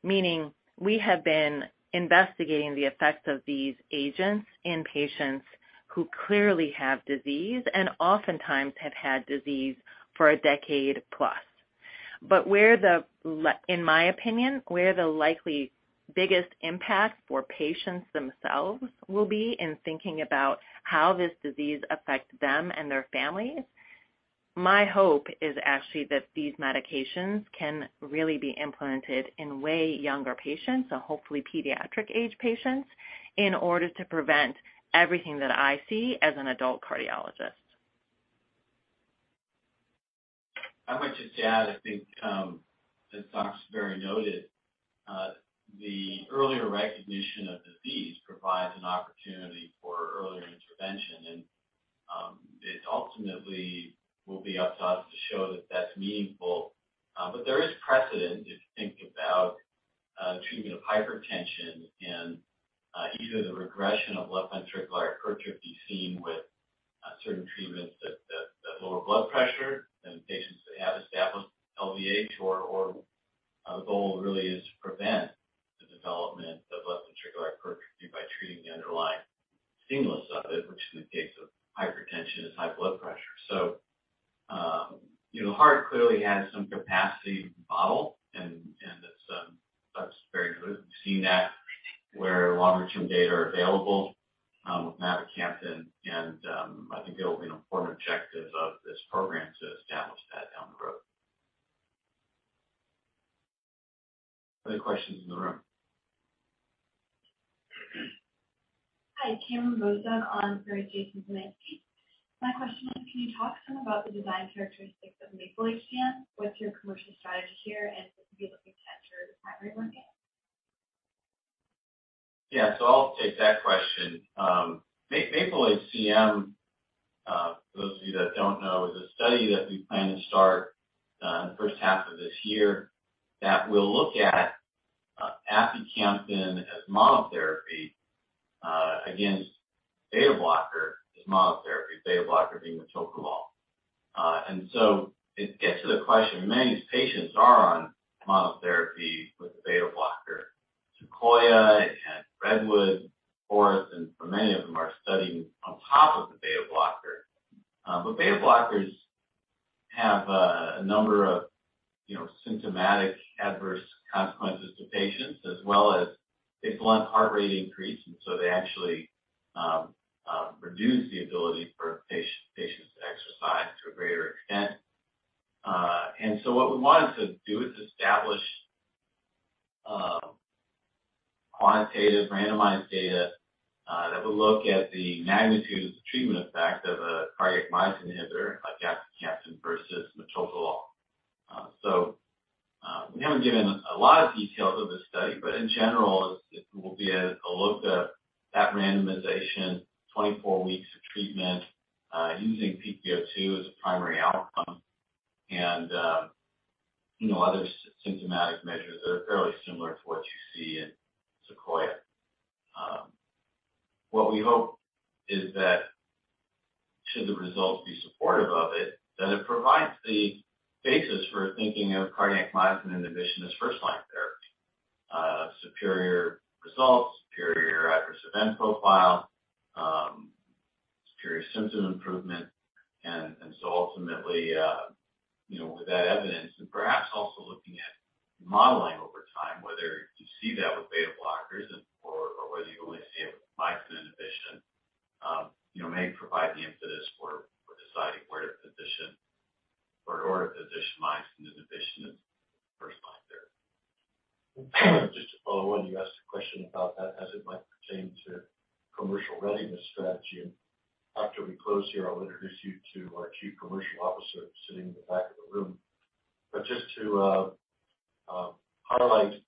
Meaning we have been investigating the effects of these agents in patients who clearly have disease and oftentimes have had disease for a decade plus. Where in my opinion, the likely biggest impact for patients themselves will be in thinking about how this disease affects them and their families. My hope is actually that these medications can really be implemented in way younger patients and hopefully pediatric age patients in order to prevent everything that I see as an adult cardiologist. I might just add, I think, as Dr. Saberi noted, the earlier recognition of disease provides an opportunity for earlier intervention. It ultimately will be up to us to show that that's meaningful. There is precedent if you think about treatment of hypertension and either the regression of left ventricular hypertrophy seen with certain treatments that lower blood pressure in patients that have established LVH or, the goal really is to prevent the development of left ventricular hypertrophy by treating the underlying seamless of it, which in the case of hypertension is high blood pressure. You know, the heart clearly has some capacity to model and that's very good. We've seen that where longer term data are available, with mavacamten and, I think it will be an important objective of this program to establish that down the road. Other questions in the room? Hi, Cameron Molineux on for Jason Zemansky. My question is, can you talk some about the design characteristics of MAPLE-HCM? What's your commercial strategy here? What you're looking at your primary market? Yeah. I'll take that question. MAPLE-HCM, for those of you that don't know, is a study that we plan to start in the first half of this year that will look at aficamten as monotherapy against beta blocker as monotherapy, beta blocker being metoprolol. It gets to the question, many patients are on monotherapy with beta blocker. SEQUOIA-HCM and REDWOOD-HCM, FOREST-HCM, and for many of them are studying on top of the beta blocker. Beta blockers have, you know, a number of symptomatic adverse consequences to patients, as well as they blunt heart rate increase, and so they actually reduce the ability for patients to exercise to a greater extent. What we wanted to do is establish quantitative randomized data that will look at the magnitude of the treatment effect of a cardiac myosin inhibitor like aficamten versus metoprolol. We haven't given a lot of details of this study, but in general it will be a look at that randomization, 24 weeks of treatment, using pVO2 as a primary outcome. You know, other symptomatic measures that are fairly similar to what you see in SEQUOIA-HCM. What we hope is that should the results be supportive of it provides the basis for thinking of cardiac myosin inhibition as first line therapy. Superior results, superior adverse event profile, superior symptom improvement. Ultimately, you know, with that evidence and perhaps also looking at modeling over time, whether you see that with beta blockers and or whether you only see it with myosin inhibition, you know, may provide the impetus for deciding where to position or to position myosin inhibition as first line therapy. Just to follow on, you asked a question about that as it might pertain to commercial readiness strategy. After we close here, I'll introduce you to our Chief Commercial Officer sitting in the back of the room. Just to highlight,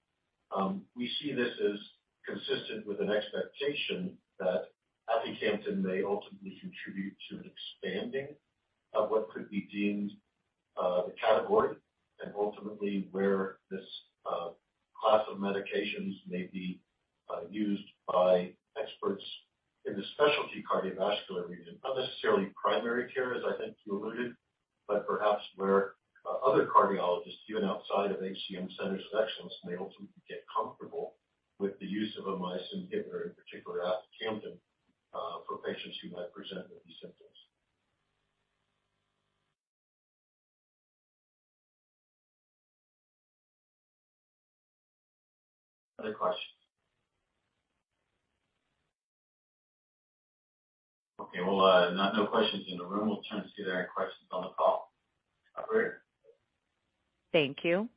we see this as consistent with an expectation that aficamten may ultimately contribute to an expanding of what could be deemed the category and ultimately where this class of medications may be used by experts in the specialty cardiovascular region. Not necessarily primary care, as I think you alluded, but perhaps where other cardiologists, even outside of HCM centers of excellence, may ultimately get comfortable with the use of a myosin inhibitor, in particular aficamten, for patients who might present with these symptoms. Other questions? Okay. Well, not no questions in the room. We'll turn to see if there are any questions on the call. Operator? Thank you.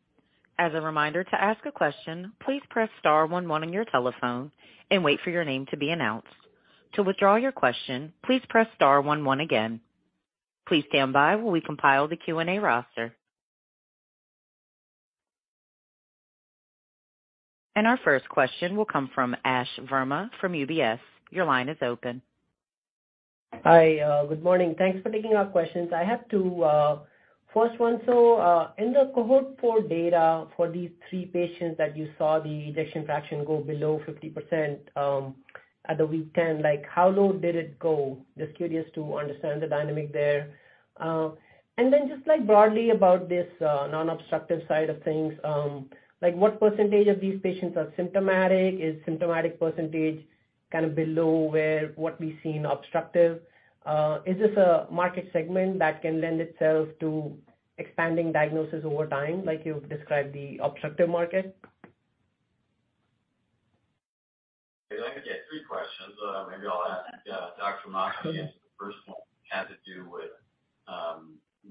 As a reminder, to ask a question, please press star one one on your telephone and wait for your name to be announced. To withdraw your question, please press star one one again. Please stand by while we compile the Q&A roster. Our first question will come from Ash Verma from UBS. Your line is open. Hi, Good morning. Thanks for taking our questions. I have two, first one, in the cohort 4 data for these three patients that you saw the ejection fraction go below 50%, at the week 10, like, how low did it go? Just curious to understand the dynamic there. Just like broadly about this non-obstructive side of things, like what percentage of these patients are symptomatic? Symptomatic percentage kind of below where what we see in obstructive? Is this a market segment that can lend itself to expanding diagnosis over time, like you've described the obstructive market? Okay. Like I get 3 questions. Maybe I'll ask Dr. Masri to answer the first one. It had to do with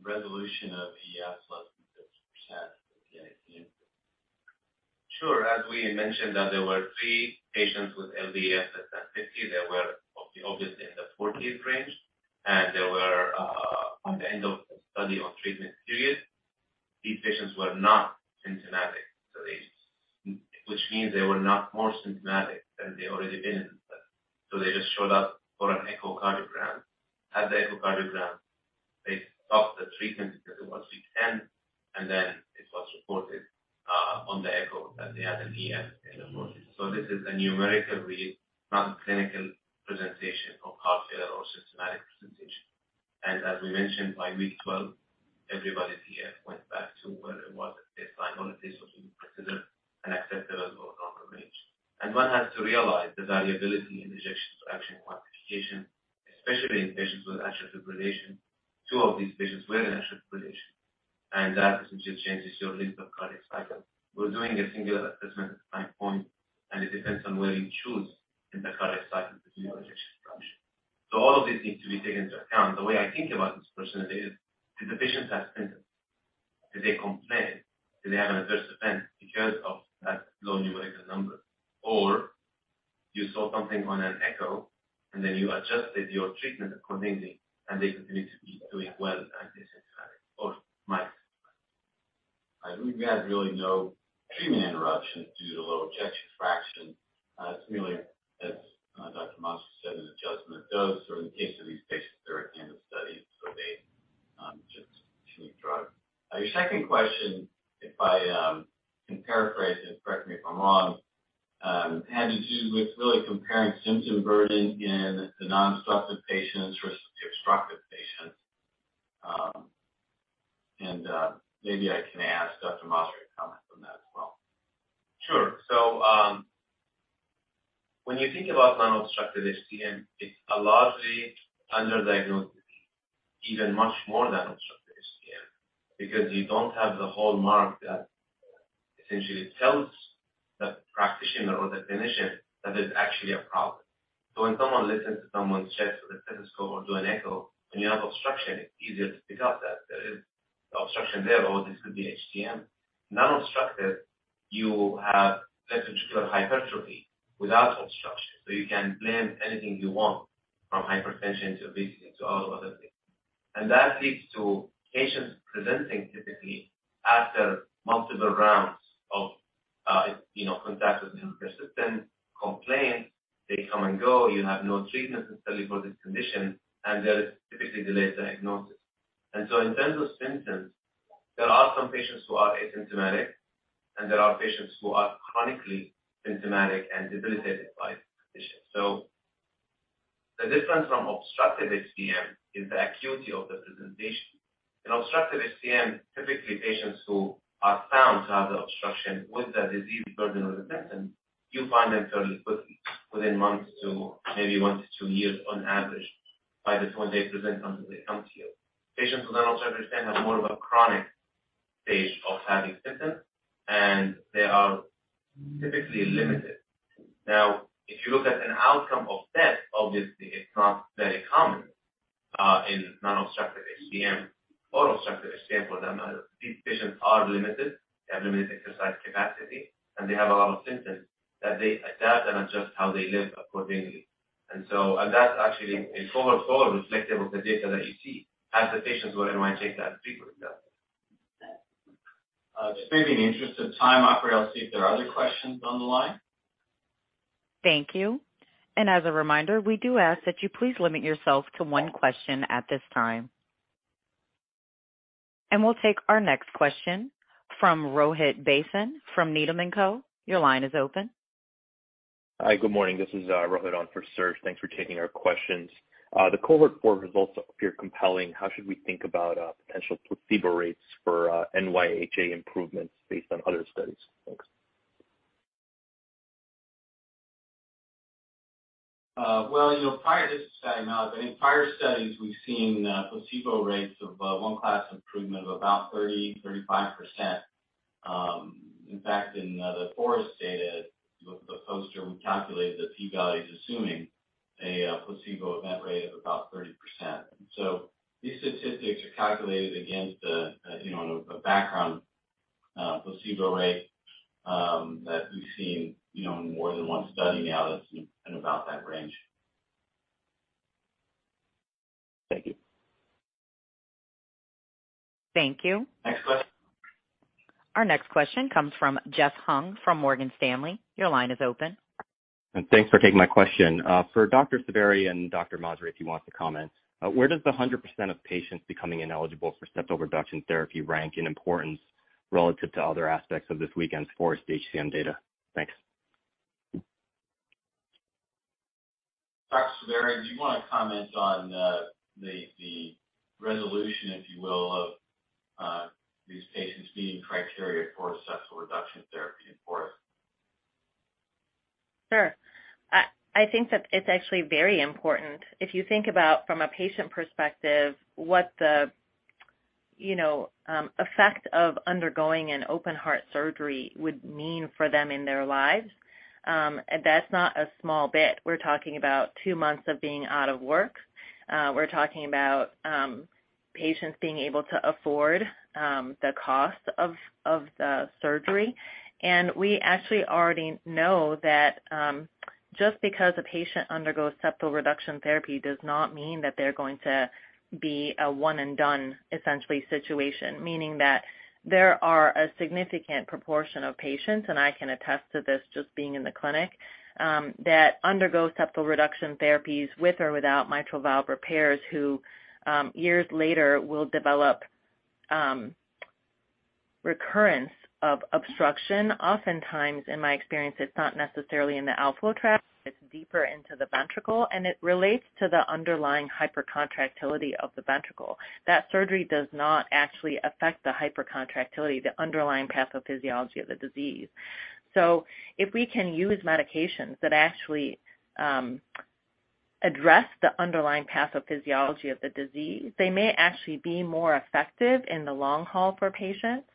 resolution of EF less than 50% with the NAC. Sure. As we mentioned that there were three patients with LVEF less than 50. They were obviously in the forties range. They were on the end of the study or treatment period. These patients were not symptomatic. Which means they were not more symptomatic than they already been. They just showed up for an echocardiogram. Had the echocardiogram, they stopped the treatment because it was week 10, and then it was reported on the echo that they had an EF in the forties. This is a numerical read, not clinical presentation of heart failure or systematic presentation. As we mentioned, by week 12, everybody's EF went back to where it was at baseline, or at least what we consider an acceptable or normal range. One has to realize the variability in ejection fraction quantification, especially in patients with atrial fibrillation. Two of these patients were in atrial fibrillation. That essentially changes your length of cardiac cycle. We're doing a single assessment at time point. It depends on where you choose in the cardiac cycle to see your ejection fraction. All of this needs to be taken into account. The way I think about this personally is if the patients are symptom, do they complain? Do they have an adverse event because of that low numerical number? You saw something on an echo. Then you adjusted your treatment accordingly. They continue to be doing well and asymptomatic or might be asymptomatic. I believe we had really no treatment interruption due to low ejection fraction. It's really as Dr. Masri said, an adjustment of dose or in the case of these patients, they're at the end of study, so they just continue drug. Your second question, if I can paraphrase this, correct me if I'm wrong, had to do with really comparing symptom burden in the non-obstructive patients versus the obstructive patients. Maybe I can ask Dr. Masri to comment on that as well. Sure. When you think about non-obstructive HCM, it's a largely underdiagnosed disease, even much more than obstructive HCM, because you don't have the hallmark that essentially tells the practitioner or the clinician that there's actually a problem. When someone listens to someone's chest with a stethoscope or do an echo, when you have obstruction, it's easier to pick up that there is an obstruction there or this could be HCM. Non-obstructive, you have left ventricular hypertrophy without obstruction. You can blame anything you want from hypertension to obesity to all other things. That leads to patients presenting typically after multiple rounds of, you know, contact with persistent complaints. They come and go. You have no treatment necessarily for this condition, and there is typically delayed diagnosis. In terms of symptoms, there are some patients who are asymptomatic, and there are patients who are chronically symptomatic and debilitated by the condition. The difference from obstructive HCM is the acuity of the presentation. In obstructive HCM, typically patients who are found to have the obstruction with the disease burden or the symptom, you find them fairly quickly within months to maybe one to two years on average, by which one they present until they come to you. Patients with non-obstructive HCM have more of a chronic stage of having symptoms, and they are typically limited. If you look at an outcome of death, obviously it's not very common in non-obstructive HCM or obstructive HCM for them. These patients are limited. They have limited exercise capacity, and they have a lot of symptoms that they adapt and adjust how they live accordingly. That's actually a forward follow reflective of the data that you see as the patients were NYHA class B for example. Just maybe in the interest of time, operator, I'll see if there are other questions on the line. Thank you. As a reminder, we do ask that you please limit yourself to one question at this time. We'll take our next question from Rohit Bansal from Needham & Co. Your line is open. Hi. Good morning. This is Rohit on for Serge. Thanks for taking our questions. The cohort four results appear compelling. How should we think about potential placebo rates for NYHA improvements based on other studies? Thanks. Well, you know, prior to this study, now that in prior studies, we've seen placebo rates of one class improvement of about 30%-35%. In fact, in the FOREST data, the poster, we calculated the P values assuming a placebo event rate of about 30%. These statistics are calculated against the, you know, the background placebo rate that we've seen, you know, in more than one study now that's in about that range. Thank you. Thank you. Our next question comes from Jeff Hung from Morgan Stanley. Your line is open. Thanks for taking my question. For Dr. Saberi and Jad Majzoub if you want to comment, where does the 100% of patients becoming ineligible for septal reduction therapy rank in importance relative to other aspects of this weekend's FOREST HCM data? Thanks. Dr. Saberi, do you want to comment on the resolution, if you will, of these patients meeting criteria for septal reduction therapy in FOREST? Sure. I think that it's actually very important. If you think about from a patient perspective what the, you know, effect of undergoing an open heart surgery would mean for them in their lives, that's not a small bit. We're talking about two months of being out of work. We're talking about patients being able to afford the cost of the surgery. We actually already know that just because a patient undergoes septal reduction therapy does not mean that they're going to be a one and done, essentially situation. Meaning that there are a significant proportion of patients, and I can attest to this just being in the clinic, that undergo septal reduction therapies with or without mitral valve repairs, who years later will develop recurrence of obstruction. Oftentimes, in my experience, it's not necessarily in the outflow tract. It's deeper into the ventricle, and it relates to the underlying hypercontractility of the ventricle. That surgery does not actually affect the hypercontractility, the underlying pathophysiology of the disease. If we can use medications that actually address the underlying pathophysiology of the disease, they may actually be more effective in the long haul for patients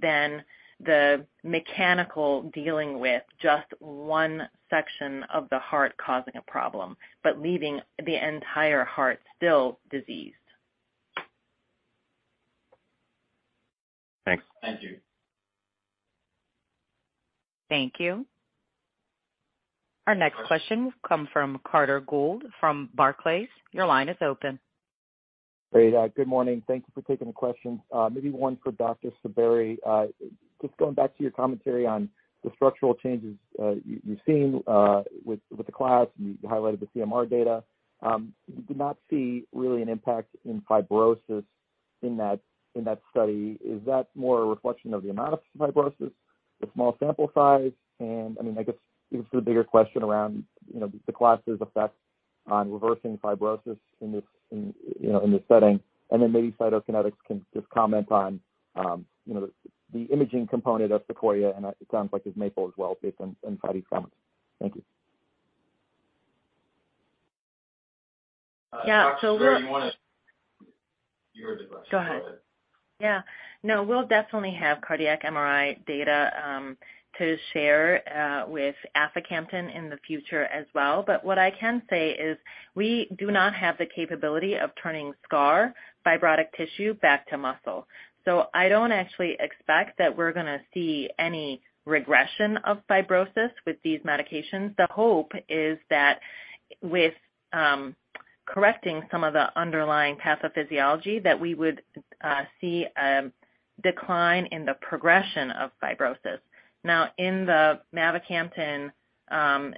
than the mechanical dealing with just one section of the heart causing a problem, but leaving the entire heart still diseased. Thanks. Thank you. Thank you. Our next question come from Carter Gould from Barclays. Your line is open. Great. Good morning. Thank you for taking the question. Maybe one for Dr. Saberi. Just going back to your commentary on the structural changes, you've seen with the class, and you highlighted the CMR data. You did not see really an impact in fibrosis in that study. Is that more a reflection of the amount of fibrosis, the small sample size? I mean, I guess even to the bigger question around, you know, the class effect on reversing fibrosis in this, you know, in this setting. Maybe Cytokinetics can just comment on, you know, the imaging component of SEQUOIA-HCM, and it sounds like there's Maple as well, based on Fady's comments. Thank you. Yeah. Dr. Saberi, You heard the question. Go ahead. Go ahead. Yeah. No, we'll definitely have cardiac MRI data to share with aficamten in the future as well. What I can say is we do not have the capability of turning scar fibrotic tissue back to muscle. I don't actually expect that we're gonna see any regression of fibrosis with these medications. The hope is that with correcting some of the underlying pathophysiology that we would see a decline in the progression of fibrosis. In the mavacamten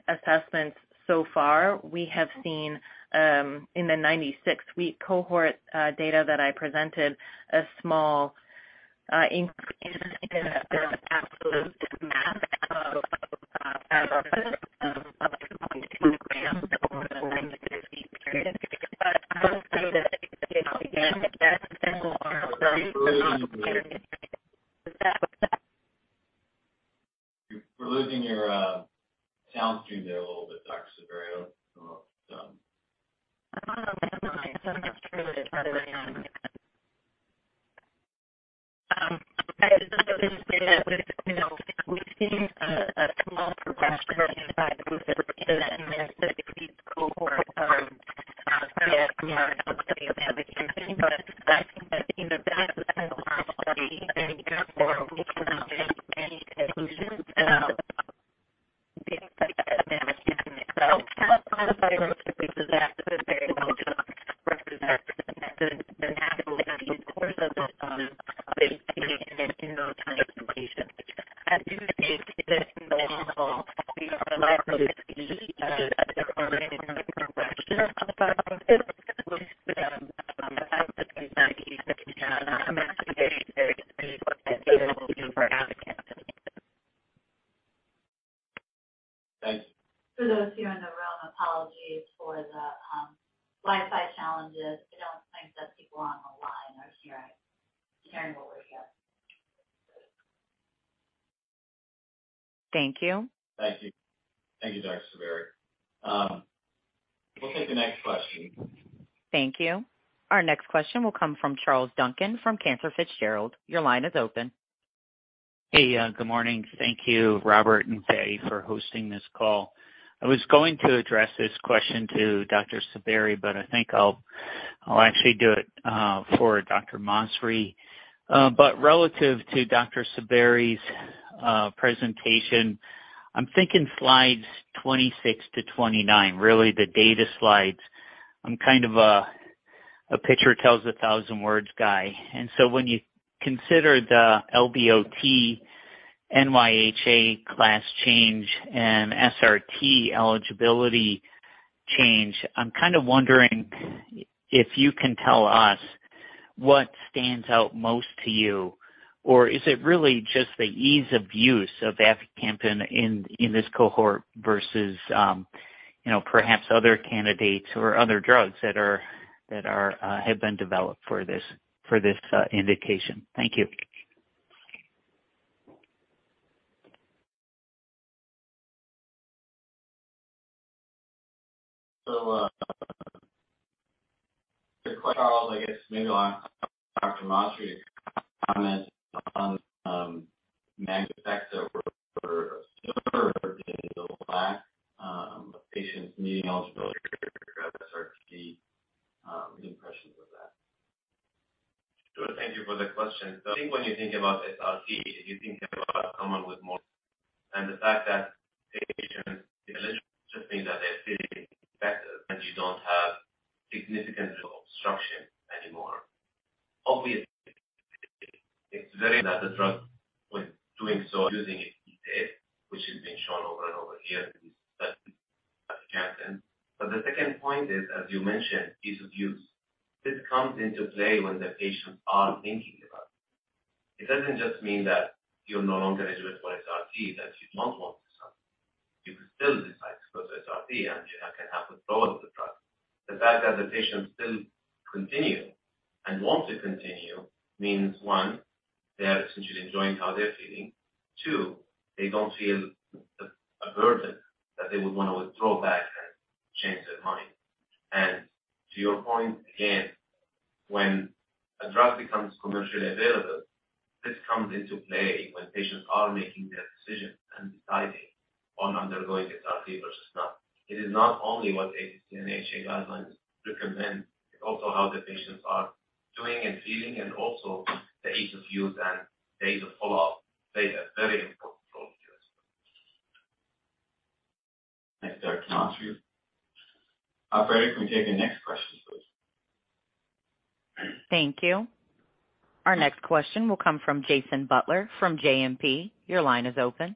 assessments so far, we have seen in the 96 week cohort data that I presented a small increase in absolute mass of fibrosis of 0.2 grams over the 96 week period. I will say that, you know, again, that's a single arm study. We're losing you. Is that okay? We're losing your sound stream there a little bit, Dr. Saberi. I don't know why. Sometimes true. Other times. I just illustrated that with, you know, we've seen a small progression in fibrosis in the 96-week cohort of from that CMR endpoint study of mavacamten. I think that, you know, that's a single arm study and therefore we cannot make any conclusions about the effect of mavacamten itself on the fibrosis. We could absolutely well just represent the natural history and course of the HCM in those kinds of patients. I do think that in the long haul, we are likely to see a decline in the progression of fibrosis, which I would anticipate to be a manifestation very soon what that data will do for aficamten. Thanks. For those here in the room, apologies for the Wi-Fi challenges. I don't think that people on the line are hearing what we're here. Thank you. Thank you. Thank you, Dr. Saberi. We'll take the next question. Thank you. Our next question will come from Charles Duncan from Cantor Fitzgerald. Your line is open. Hey, good morning. Thank you, Robert and Fady, for hosting this call. I was going to address this question to Dr. Saberi, but I think I'll actually do it for Dr. Masri. Relative to Dr. Saberi's presentation, I'm thinking slides 26 to 29, really the data slides. I'm kind of a picture tells a 1,000 words guy. When you consider the LVOT, NYHA class change and SRT eligibility change, I'm kind of wondering if you can tell us what stands out most to you. Is it really just the ease of use of aficamten in this cohort versus, you know, perhaps other candidates or other drugs that are have been developed for this indication? Thank you. Charles, I guess maybe I'll ask Dr. Masri to comment on magnet effects that were observed in the black patients meeting eligibility SRT, impressions of that. Sure. Thank you for the question. I think when you think about SRT, you think about someone with more and the fact that patients eligible just means that they're feeling better, and you don't have significant obstruction anymore. Obviously, it's very that the drug was doing so using it, which is being shown over and over here, but you can't. The second point is, as you mentioned, ease of use. This comes into play when the patients are thinking about it. It doesn't just mean that you're no longer eligible for SRT, that you don't want to start. You could still decide to go to SRT, and you can have both the drugs. The fact that the patients still continue and want to continue means, one, they are essentially enjoying how they're feeling. Two, they don't feel a burden that they would want to withdraw back and change their mind. To your point, again, when a drug becomes commercially available, this comes into play when patients are making their decisions and deciding on undergoing SRT versus not. It is not only what ACC and AHA guidelines recommend, it's also how the patients are doing and feeling and also the ease of use and days of follow-up. Data is very important to us. Thanks, Dr. Masri. Operator, can we take the next question, please? Thank you. Our next question will come from Jason Butler from JMP. Your line is open.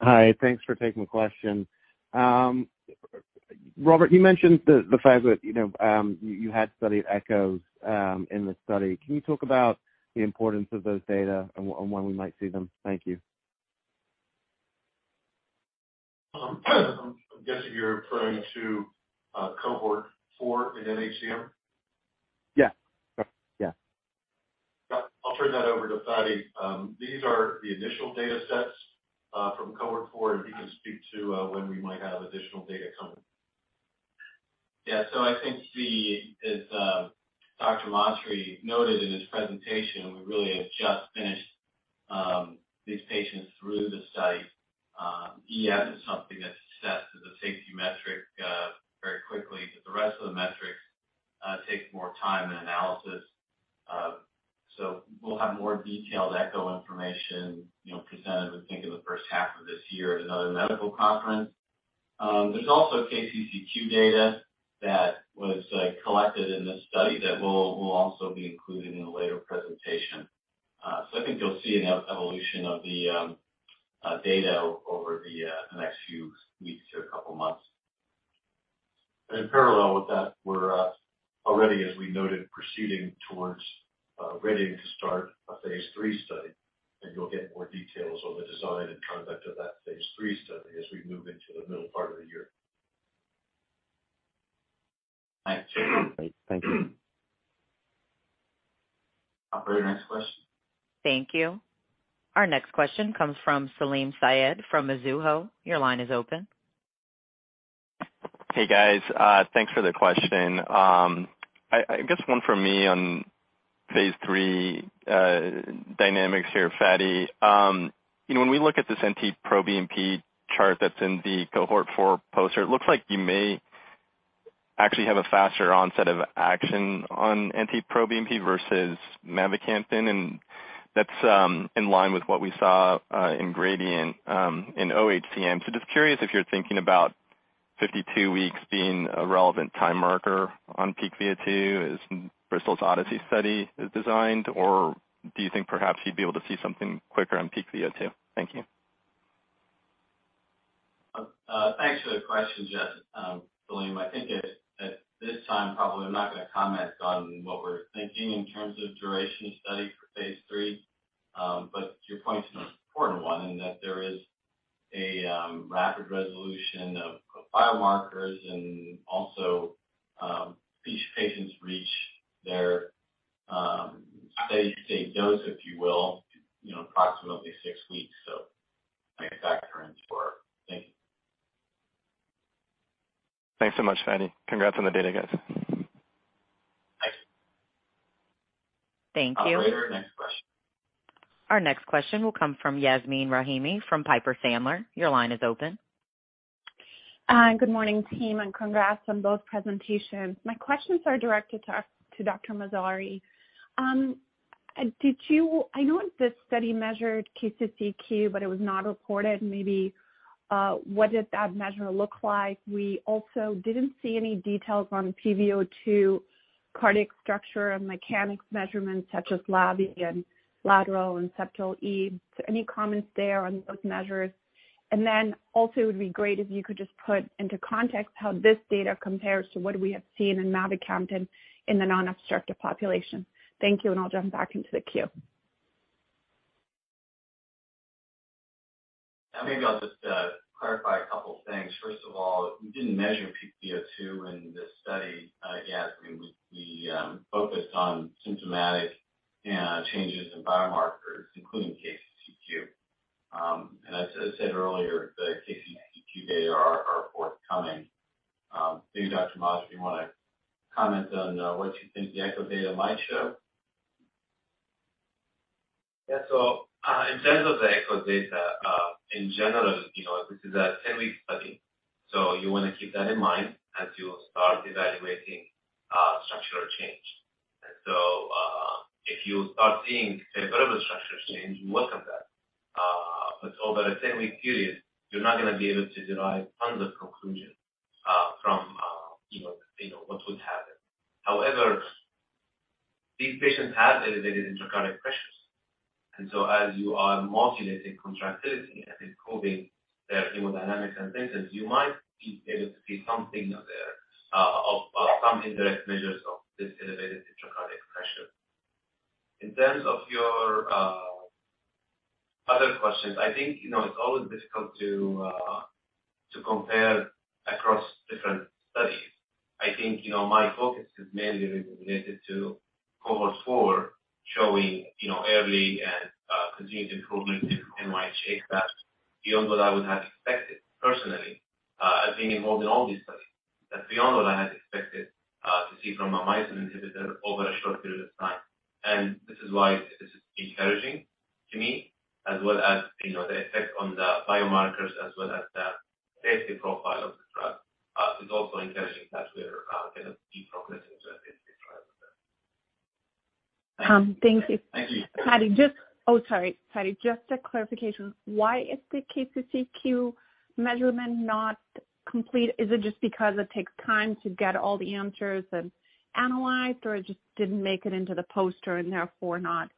Hi. Thanks for taking the question. Robert, you mentioned the fact that, you know, you had studied echoes in the study. Can you talk about the importance of those data and when we might see them? Thank you. I'm guessing you're referring to cohort 4 in NHCM. Yeah. Sure. Yeah. I'll turn that over to Fady. These are the initial datasets from cohort 4. He can speak to when we might have additional data coming. Yeah. I think as Dr. Masri noted in his presentation, we really have just finished these patients through the study. EF is something that's set to the safety metric very quickly, but the rest of the metrics takes more time and analysis. We'll have more detailed echo information, you know, presented, I think, in the first half of this year at another medical conference. There's also KCCQ data that was collected in this study that will also be included in a later presentation. I think you'll see an evolution of the data over the next few weeks to a couple of months. In parallel with that, we're already, as we noted, proceeding towards readying to start a phase III study. You'll get more details on the design and conduct of that phase III study as we move into the middle part of the year. Thanks. Operator, next question. Thank you. Our next question comes from Salim Syed from Mizuho. Your line is open. Hey, guys. Thanks for the question. I guess one for me on phase III dynamics here, Fady. You know, when we look at this NT-proBNP chart that's in the cohort 4 poster, it looks like you may actually have a faster onset of action on NT-proBNP versus mavacamten, and that's in line with what we saw in gradient in oHCM. Just curious if you're thinking about 52 weeks being a relevant time marker on Peak VO2 as Bristol's ODYSSEY-HCM study is designed, or do you think perhaps you'd be able to see something quicker on Peak VO2? Thank you. Thanks for the question, Salim. I think at this time, probably I'm not gonna comment on what we're thinking in terms of duration of study for phase III. Your point is an important one in that there is a rapid resolution of biomarkers and also, these patients reach their steady state dose, if you will, you know, approximately six weeks. I think that current for me. Thanks so much, Fady. Congrats on the data, guys. Thanks. Thank you. Operator, next question. Our next question will come from Yasmeen Rahimi from Piper Sandler. Your line is open. Good morning, team, and congrats on both presentations. My questions are directed to Ahmad Masri. I know this study measured KCCQ, but it was not reported. Maybe, what did that measure look like? We also didn't see any details on pVO2 cardiac structure and mechanics measurements such as lobby and lateral e' and septal e'. Any comments there on those measures? Also it would be great if you could just put into context how this data compares to what we have seen in mavacamten in the non-obstructive population. Thank you, and I'll jump back into the queue. Maybe I'll just clarify a couple things. First of all, we didn't measure pVO2 in this study, Yas. I mean, we focused on symptomatic changes in biomarkers, including KCCQ. As I said earlier, the KCCQ data are forthcoming. Maybe Dr. Masri, if you wanna comment on what you think the echo data might show. Yeah. In terms of the echo data, in general, you know, this is a 10-week study, so you wanna keep that in mind as you start evaluating structural change. If you start seeing a variable structure change, welcome that. Over a 10-week period, you're not gonna be able to derive final conclusion from, you know, what would happen. However, these patients have elevated intracardiac pressures. As you are modulating contractility and improving their hemodynamics and symptoms, you might be able to see something of their of some indirect measures of this elevated intracardiac pressure. In terms of your other questions, I think, you know, it's always difficult to compare across different studies. I think, you know, my focus is mainly related to cohort 4 showing, you know, early and continued improvement in NYHA class beyond what I would have expected personally, as being involved in all these studies. That's beyond what I had expected to see from a myosin inhibitor over a short period of time. This is why this is encouraging to me as well as, you know, the effect on the biomarkers as well as the safety profile of the drug is also encouraging that we're gonna be progressing to a. Thank you. Thank you. Fady, Oh, sorry, Fady, just a clarification. Why is the KCCQ measurement not complete? Is it just because it takes time to get all the answers and analyzed, or it just didn't make it into the poster and therefore not?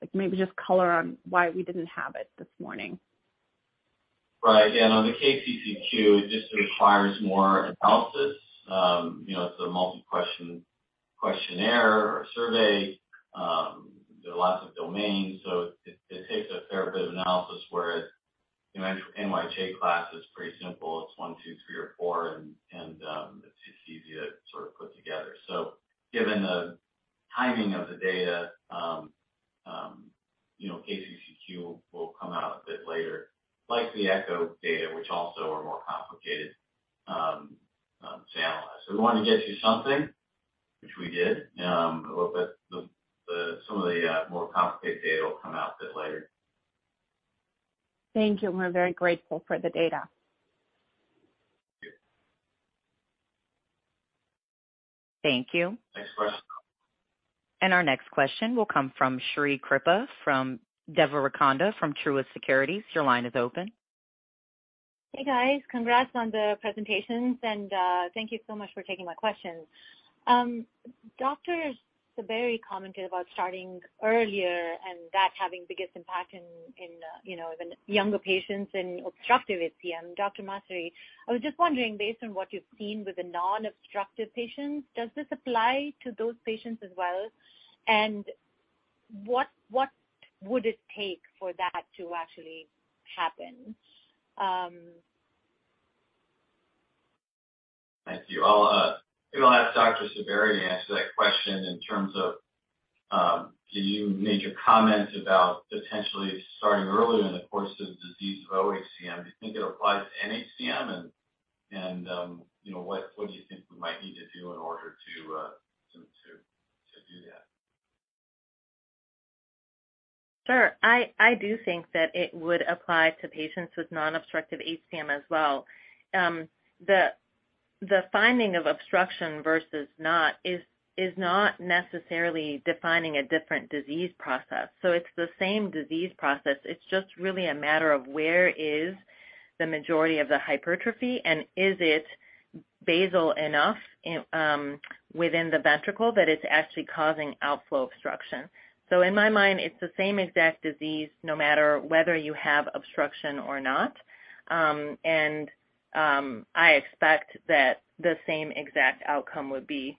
Like, maybe just color on why we didn't have it this morning? Right. Yeah, on the KCCQ, it just requires more analysis. You know, it's a multi-question questionnaire or survey. There are lots of domains, so it takes a fair bit of analysis, whereas, you know, NYHA class is pretty simple. It's I, II, III or IV, and it's easy to sort of put together. Given the timing of the data, you know, KCCQ will come out a bit later, like the echo data, which also are more complicated to analyze. We want to get you something, which we did a little bit. Some of the more complicated data will come out a bit later. Thank you. We're very grateful for the data. Okay. Thank you. Thanks for asking. Our next question will come from Srikripa Devarakonda from Truist Securities. Your line is open. Hey, guys. Congrats on the presentations and thank you so much for taking my questions. Sara Saberi commented about starting earlier and that having the biggest impact in, you know, even younger patients in obstructive HCM. Ahmad Masri, I was just wondering, based on what you've seen with the non-obstructive patients, does this apply to those patients as well? What would it take for that to actually happen? Thank you. I'll maybe I'll ask Sara Saberi to answer that question in terms of do you make a comment about potentially starting earlier in the course of disease of OHCM? Do you think it applies to NHCM? You know, what do you think we might need to do in order to do that? Sure. I do think that it would apply to patients with non-obstructive HCM as well. The finding of obstruction versus not is not necessarily defining a different disease process. It's the same disease process. It's just really a matter of where is the majority of the hypertrophy and is it basal enough in within the ventricle that it's actually causing outflow obstruction. In my mind, it's the same exact disease no matter whether you have obstruction or not. I expect that the same exact outcome would be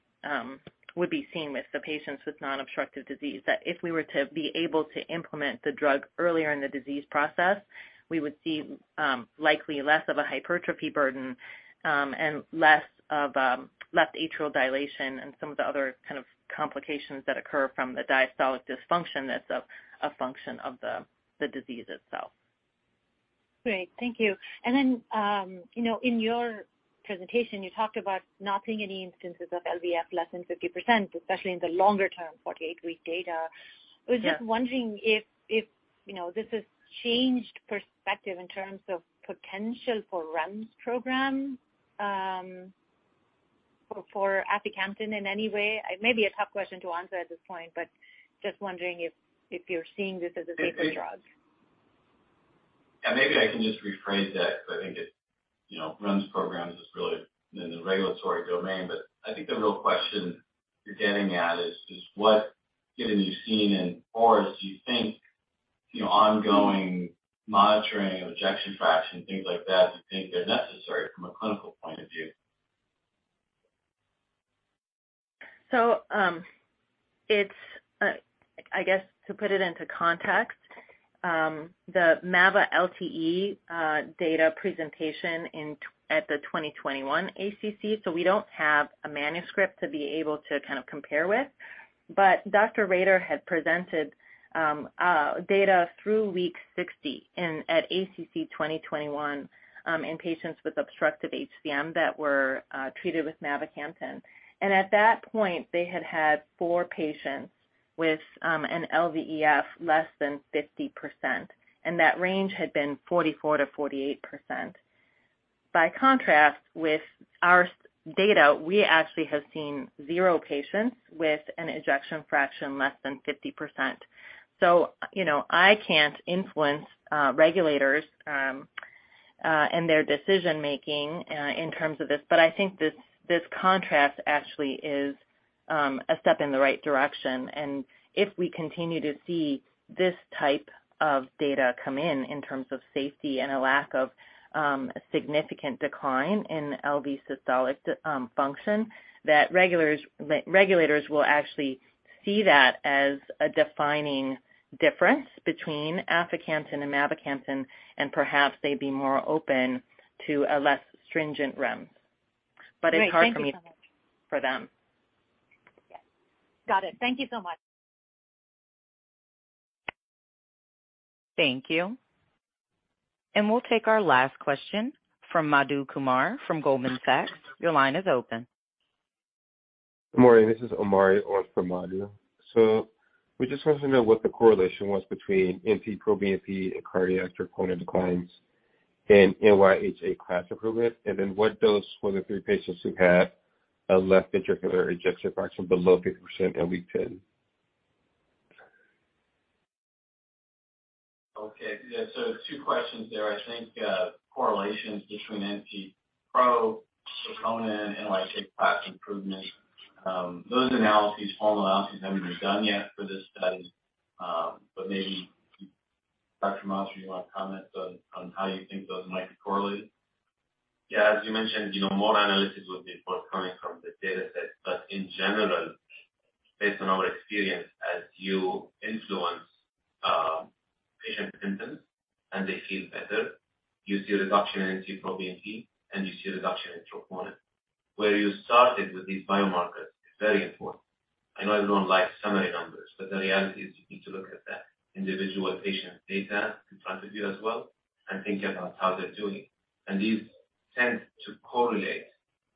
seen with the patients with non-obstructive disease, that if we were to be able to implement the drug earlier in the disease process, we would see likely less of a hypertrophy burden, and less of left atrial dilation and some of the other kind of complications that occur from the diastolic dysfunction that's a function of the disease itself. Great. Thank you. You know, in your presentation, you talked about not seeing any instances of LVEF less than 50%, especially in the longer-term 48-week data. Yeah. I was just wondering if, you know, this has changed perspective in terms of potential for REMS program, for aficamten in any way. It may be a tough question to answer at this point, but just wondering if you're seeing this as a safer drug. Yeah, maybe I can just rephrase that because I think it's, you know, REMS program is really in the regulatory domain. I think the real question you're getting at is what, given you've seen in FOREST-HCM, do you think, you know, ongoing monitoring of ejection fraction, things like that, do you think they're necessary from a clinical point of view? It's I guess to put it into context, the MAVA-LTE data presentation in, at the 2021 ACC, we don't have a manuscript to be able to kind of compare with. Dr. Rader had presented data through week 60 in, at ACC 2021, in patients with obstructive HCM that were treated with mavacamten. At that point, they had had four patients with an LVEF less than 50%, and that range had been 44%-48%. By contrast, with our data, we actually have seen zero patients with an ejection fraction less than 50%. You know, I can't influence regulators and their decision-making in terms of this, but I think this contrast actually is a step in the right direction. If we continue to see this type of data come in terms of safety and a lack of significant decline in LV systolic function, that regulators will actually see that as a defining difference between aficamten and mavacamten, perhaps they'd be more open to a less stringent REMS. it's hard for me- Great. Thank you so much. For them. Yes. Got it. Thank you so much. Thank you. We'll take our last question from Madhu Kumar from Goldman Sachs. Your line is open. Good morning. This is Omari on for Madhu. We just wanted to know what the correlation was between NT-proBNP and cardiac troponin declines in NYHA Class improvement. What dose for the three patients who had a left ventricular ejection fraction below 50% at week 10? Okay. Yeah, two questions there. I think, correlations between NT-pro, troponin, NYHA Class improvements. Those analyses, formal analyses, haven't been done yet for this study. Maybe Dr. Masri, you want to comment on how you think those might be correlated? Yeah. As you mentioned, you know, more analysis will be forthcoming from the dataset. In general, based on our experience, as you influence patient symptoms and they feel better, you see a reduction in NT-proBNP and you see a reduction in troponin. Where you started with these biomarkers is very important. I know everyone likes summary numbers, but the reality is you need to look at the individual patient data to try to view as well and think about how they're doing. These tend to correlate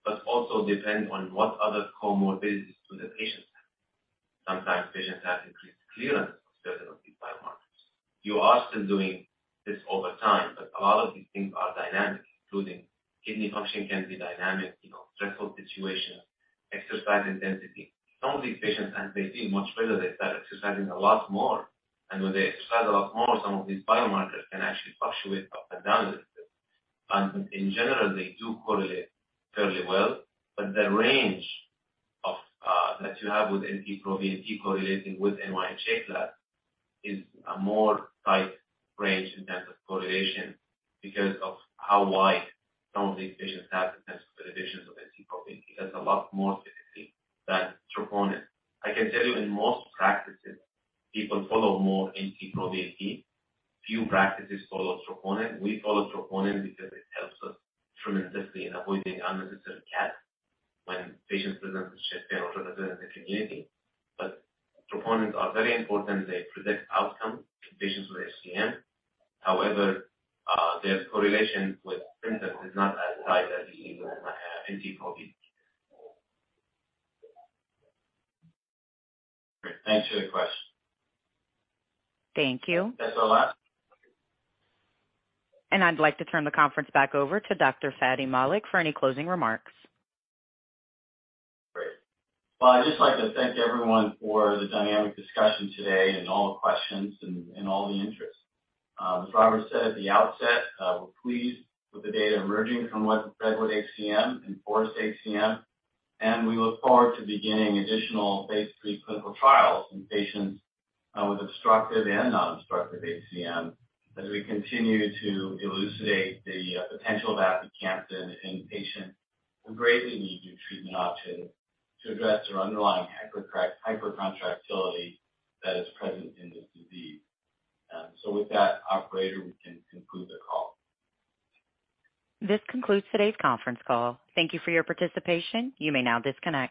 but also depend on what other comorbidities do the patients have. Sometimes patients have increased clearance of certain of these biomarkers. You are still doing this over time, but a lot of these things are dynamic, including kidney function can be dynamic, you know, stressful situations, exercise intensity. Some of these patients, as they feel much better, they start exercising a lot more. When they exercise a lot more, some of these biomarkers can actually fluctuate up and down a little bit. In general, they do correlate fairly well, the range that you have with NT-proBNP correlating with NYHA Class is a more tight range in terms of correlation because of how wide some of these patients have in terms of the reductions of NT-proBNP. That's a lot more specific than troponin. I can tell you in most practices, people follow more NT-proBNP. Few practices follow troponin. We follow troponin because it helps us tremendously in avoiding unnecessary CT when patients present with chest pain or present in the community. Troponins are very important. They predict outcome in patients with HCM. However, their correlation with symptoms is not as tight as the NT-proBNP. Great. Thanks for the question. Thank you. Thanks a lot. I'd like to turn the conference back over to Dr. Fady Malik for any closing remarks. Great. Well, I'd just like to thank everyone for the dynamic discussion today and all the questions and all the interest. As Robert said at the outset, we're pleased with the data emerging from REDWOOD-HCM and FOREST-HCM, and we look forward to beginning additional phase III clinical trials in patients with obstructive and non-obstructive HCM as we continue to elucidate the potential of aficamten in patients who greatly need new treatment options to address their underlying hypercontractility that is present in this disease. With that, operator, we can conclude the call. This concludes today's conference call. Thank you for your participation. You may now disconnect.